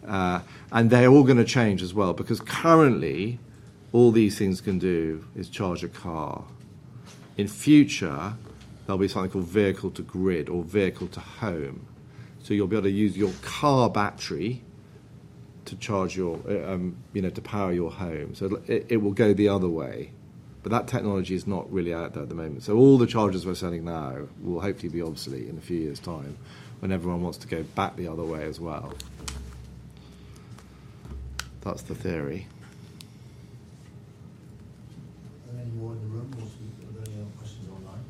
They're all going to change as well because currently, all these things can do is charge a car. In future, there'll be something called vehicle-to-grid or vehicle-to-home. You'll be able to use your car battery to power your home. It will go the other way. That technology is not really out there at the moment. All the chargers we're selling now will hopefully be obsolete in a few years' time when everyone wants to go back the other way as well. That's the theory. Any more in the room? Do we have any other questions online?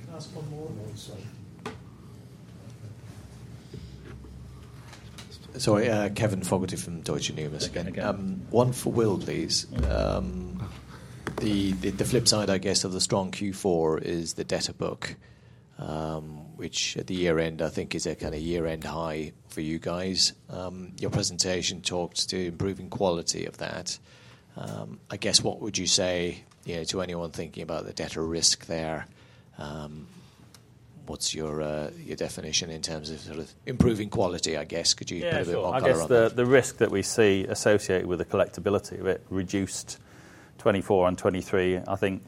Can I ask one more? One second. Sorry. Kevin Fogarty from Deutsche Numis again. One for Will, please. The flip side, I guess, of the strong Q4 is the debtor book, which at the year-end, I think, is a kind of year-end high for you guys. Your presentation talked to improving quality of that. I guess, what would you say to anyone thinking about the debtor risk there? What's your definition in terms of sort of improving quality, I guess? Could you put it a bit more clever? I guess the risk that we see associated with the collectibility of it reduced 2024 and 2023. I think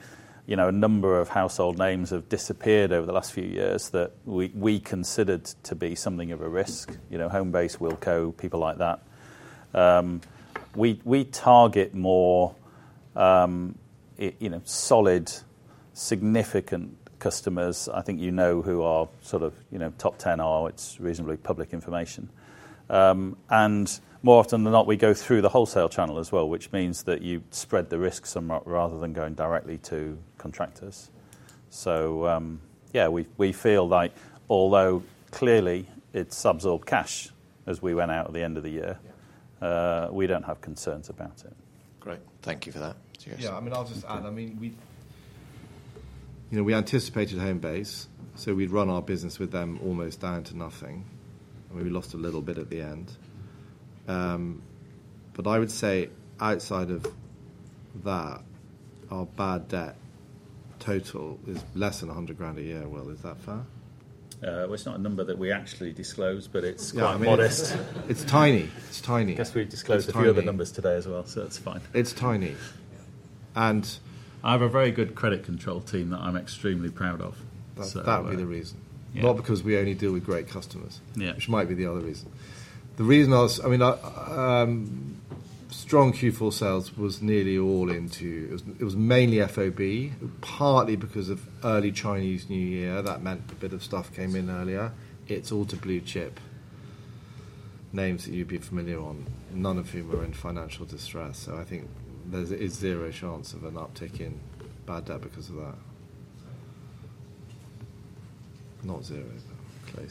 a number of household names have disappeared over the last few years that we considered to be something of a risk: Homebase, Wilko, people like that. We target more solid, significant customers. I think you know who our sort of top 10 are. It's reasonably public information. More often than not, we go through the wholesale channel as well, which means that you spread the risks rather than going directly to contractors. Yeah, we feel like, although clearly it subscribed cash as we went out at the end of the year, we don't have concerns about it. Great. Thank you for that. Yeah. I mean, I'll just add. I mean, we anticipated Homebase, so we'd run our business with them almost down to nothing. We lost a little bit at the end. I would say outside of that, our bad debt total is less than 100,000 a year. Will, is that fair? It is not a number that we actually disclose, but it is quite modest. It is tiny. It is tiny. I guess we have disclosed a few of the numbers today as well, so it is fine. It is tiny. I have a very good credit control team that I am extremely proud of. That would be the reason. Not because we only deal with great customers, which might be the other reason. The reason I was—I mean, strong Q4 sales was nearly all into—it was mainly FOB, partly because of early Chinese New Year. That meant a bit of stuff came in earlier. It is all to blue chip names that you would be familiar on, none of whom are in financial distress. I think there is zero chance of an uptick in bad debt because of that. Not zero, though.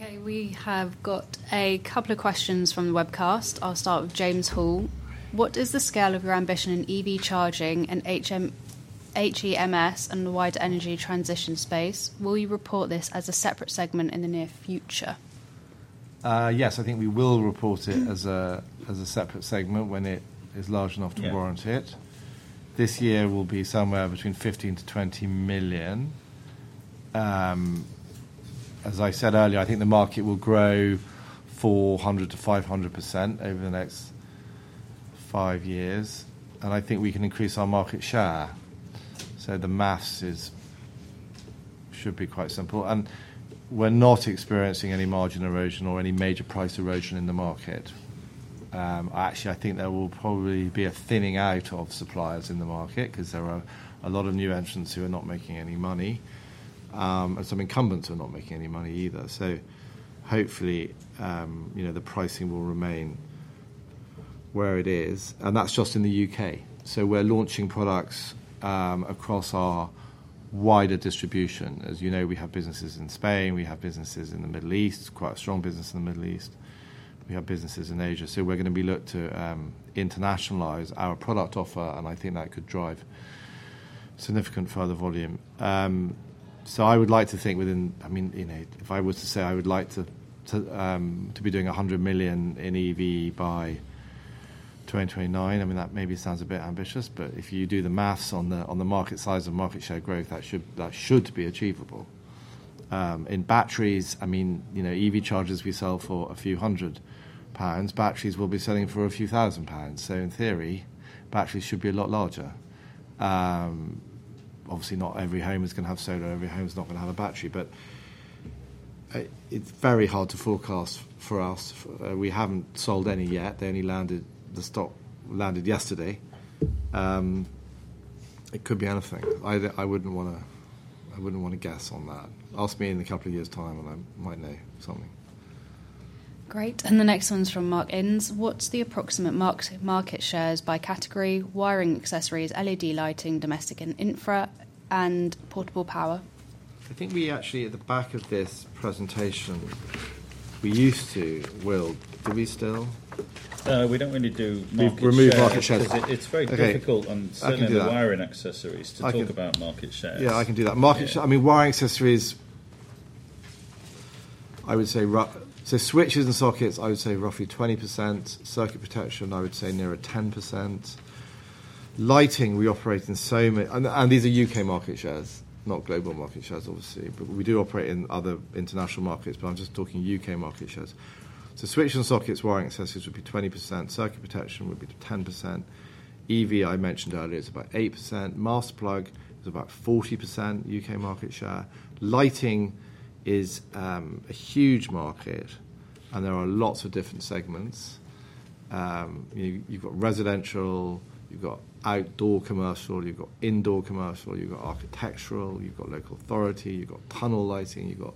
Okay. We have got a couple of questions from the webcast. I'll start with James Hall. What is the scale of your ambition in EV charging and HEMS and the wide energy transition space? Will you report this as a separate segment in the near future? Yes, I think we will report it as a separate segment when it is large enough to warrant it. This year will be somewhere between 15 million-20 million. As I said earlier, I think the market will grow 400%-500% over the next five years. I think we can increase our market share. The math should be quite simple. We are not experiencing any margin erosion or any major price erosion in the market. Actually, I think there will probably be a thinning out of suppliers in the market because there are a lot of new entrants who are not making any money. Some incumbents are not making any money either. Hopefully, the pricing will remain where it is. That is just in the U.K. We are launching products across our wider distribution. As you know, we have businesses in Spain. We have businesses in the Middle East. It is quite a strong business in the Middle East. We have businesses in Asia. We are going to be looking to internationalize our product offer, and I think that could drive significant further volume. I would like to think within—I mean, if I was to say I would like to be doing 100 million in EV by 2029, I mean, that maybe sounds a bit ambitious, but if you do the maths on the market size of market share growth, that should be achievable. In batteries, I mean, EV chargers we sell for a few hundred pounds. Batteries we'll be selling for a few thousand pounds. In theory, batteries should be a lot larger. Obviously, not every home is going to have solar. Every home is not going to have a battery. It is very hard to forecast for us. We have not sold any yet. The stock landed yesterday. It could be anything. I would not want to—I would not want to guess on that. Ask me in a couple of years' time, and I might know something. Great. The next one's from Mark Inns. What's the approximate market shares by category: wiring accessories, LED lighting, domestic and infra, and portable power? I think we actually, at the back of this presentation, we used to—Will, do we still? We don't really do market shares. Remove market shares. It's very difficult, and certainly the wiring accessories, to talk about market shares. Yeah, I can do that. I mean, wiring accessories, I would say—so switches and sockets, I would say roughly 20%. Circuit protection, I would say nearer 10%. Lighting, we operate in so many—and these are U.K. market shares, not global market shares, obviously. But we do operate in other international markets, but I'm just talking U.K. market shares. So switches and sockets, wiring accessories would be 20%. Circuit protection would be 10%. EV, I mentioned earlier, it's about 8%. Masterplug is about 40% U.K. market share. Lighting is a huge market, and there are lots of different segments. You've got residential, you've got outdoor commercial, you've got indoor commercial, you've got architectural, you've got local authority, you've got tunnel lighting, you've got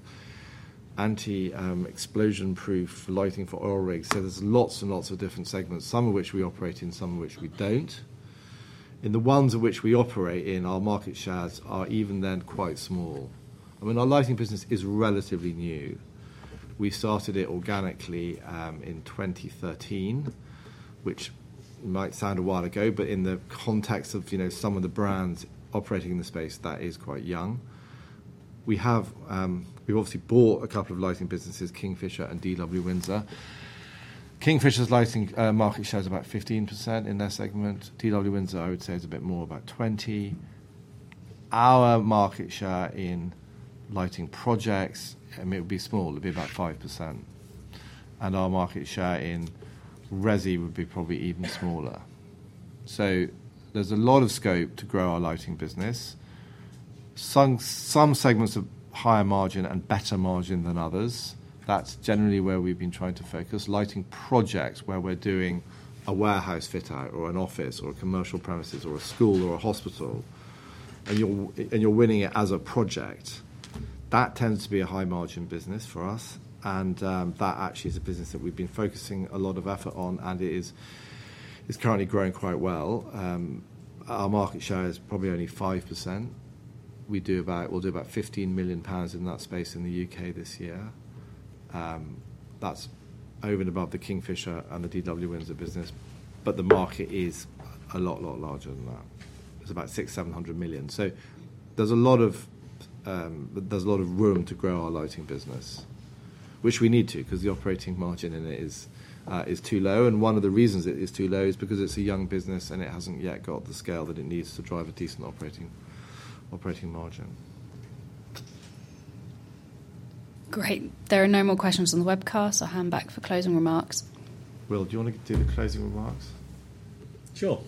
anti explosion-proof lighting for oil rigs. There are lots and lots of different segments, some of which we operate in, some of which we don't. In the ones in which we operate in, our market shares are even then quite small. I mean, our lighting business is relatively new. We started it organically in 2013, which might sound a while ago, but in the context of some of the brands operating in the space, that is quite young. We've obviously bought a couple of lighting businesses: Kingfisher Lighting and DW Windsor. Kingfisher Lighting's market share is about 15% in their segment. DW Windsor, I would say, is a bit more, about 20%. Our market share in lighting projects, I mean, it would be small. It'd be about 5%. Our market share in resi would be probably even smaller. There is a lot of scope to grow our lighting business. Some segments are higher margin and better margin than others. That is generally where we have been trying to focus. Lighting projects where we are doing a warehouse fit-out or an office or commercial premises or a school or a hospital, and you are winning it as a project, that tends to be a high-margin business for us. That actually is a business that we have been focusing a lot of effort on, and it is currently growing quite well. Our market share is probably only 5%. We will do about 15 million pounds in that space in the U.K. this year. That is over and above the Kingfisher Lighting and the DW Windsor business. The market is a lot, lot larger than that. It is about $600 to $700 million. There is a lot of room to grow our lighting business, which we need to because the operating margin in it is too low. One of the reasons it is too low is because it is a young business, and it has not yet got the scale that it needs to drive a decent operating margin. Great. There are no more questions on the webcast. I will hand back for closing remarks. Will, do you want to do the closing remarks? Sure.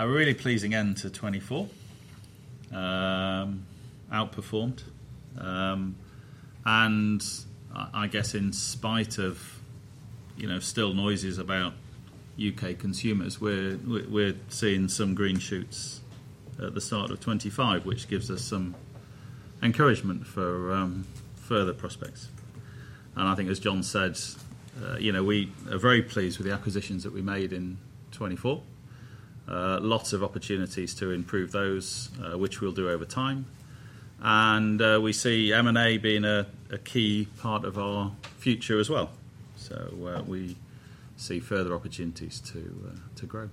A really pleasing end to 2024. Outperformed. I guess in spite of still noises about U.K. consumers, we are seeing some green shoots at the start of 2025, which gives us some encouragement for further prospects. I think, as John said, we are very pleased with the acquisitions that we made in 2024. Lots of opportunities to improve those, which we'll do over time. We see M&A being a key part of our future as well. We see further opportunities to grow.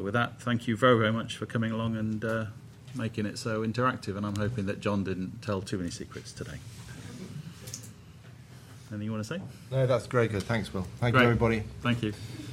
With that, thank you very, very much for coming along and making it so interactive. I am hoping that John did not tell too many secrets today. Anything you want to say? No, that's great. Thanks, Will. Thank you, everybody. Thank you.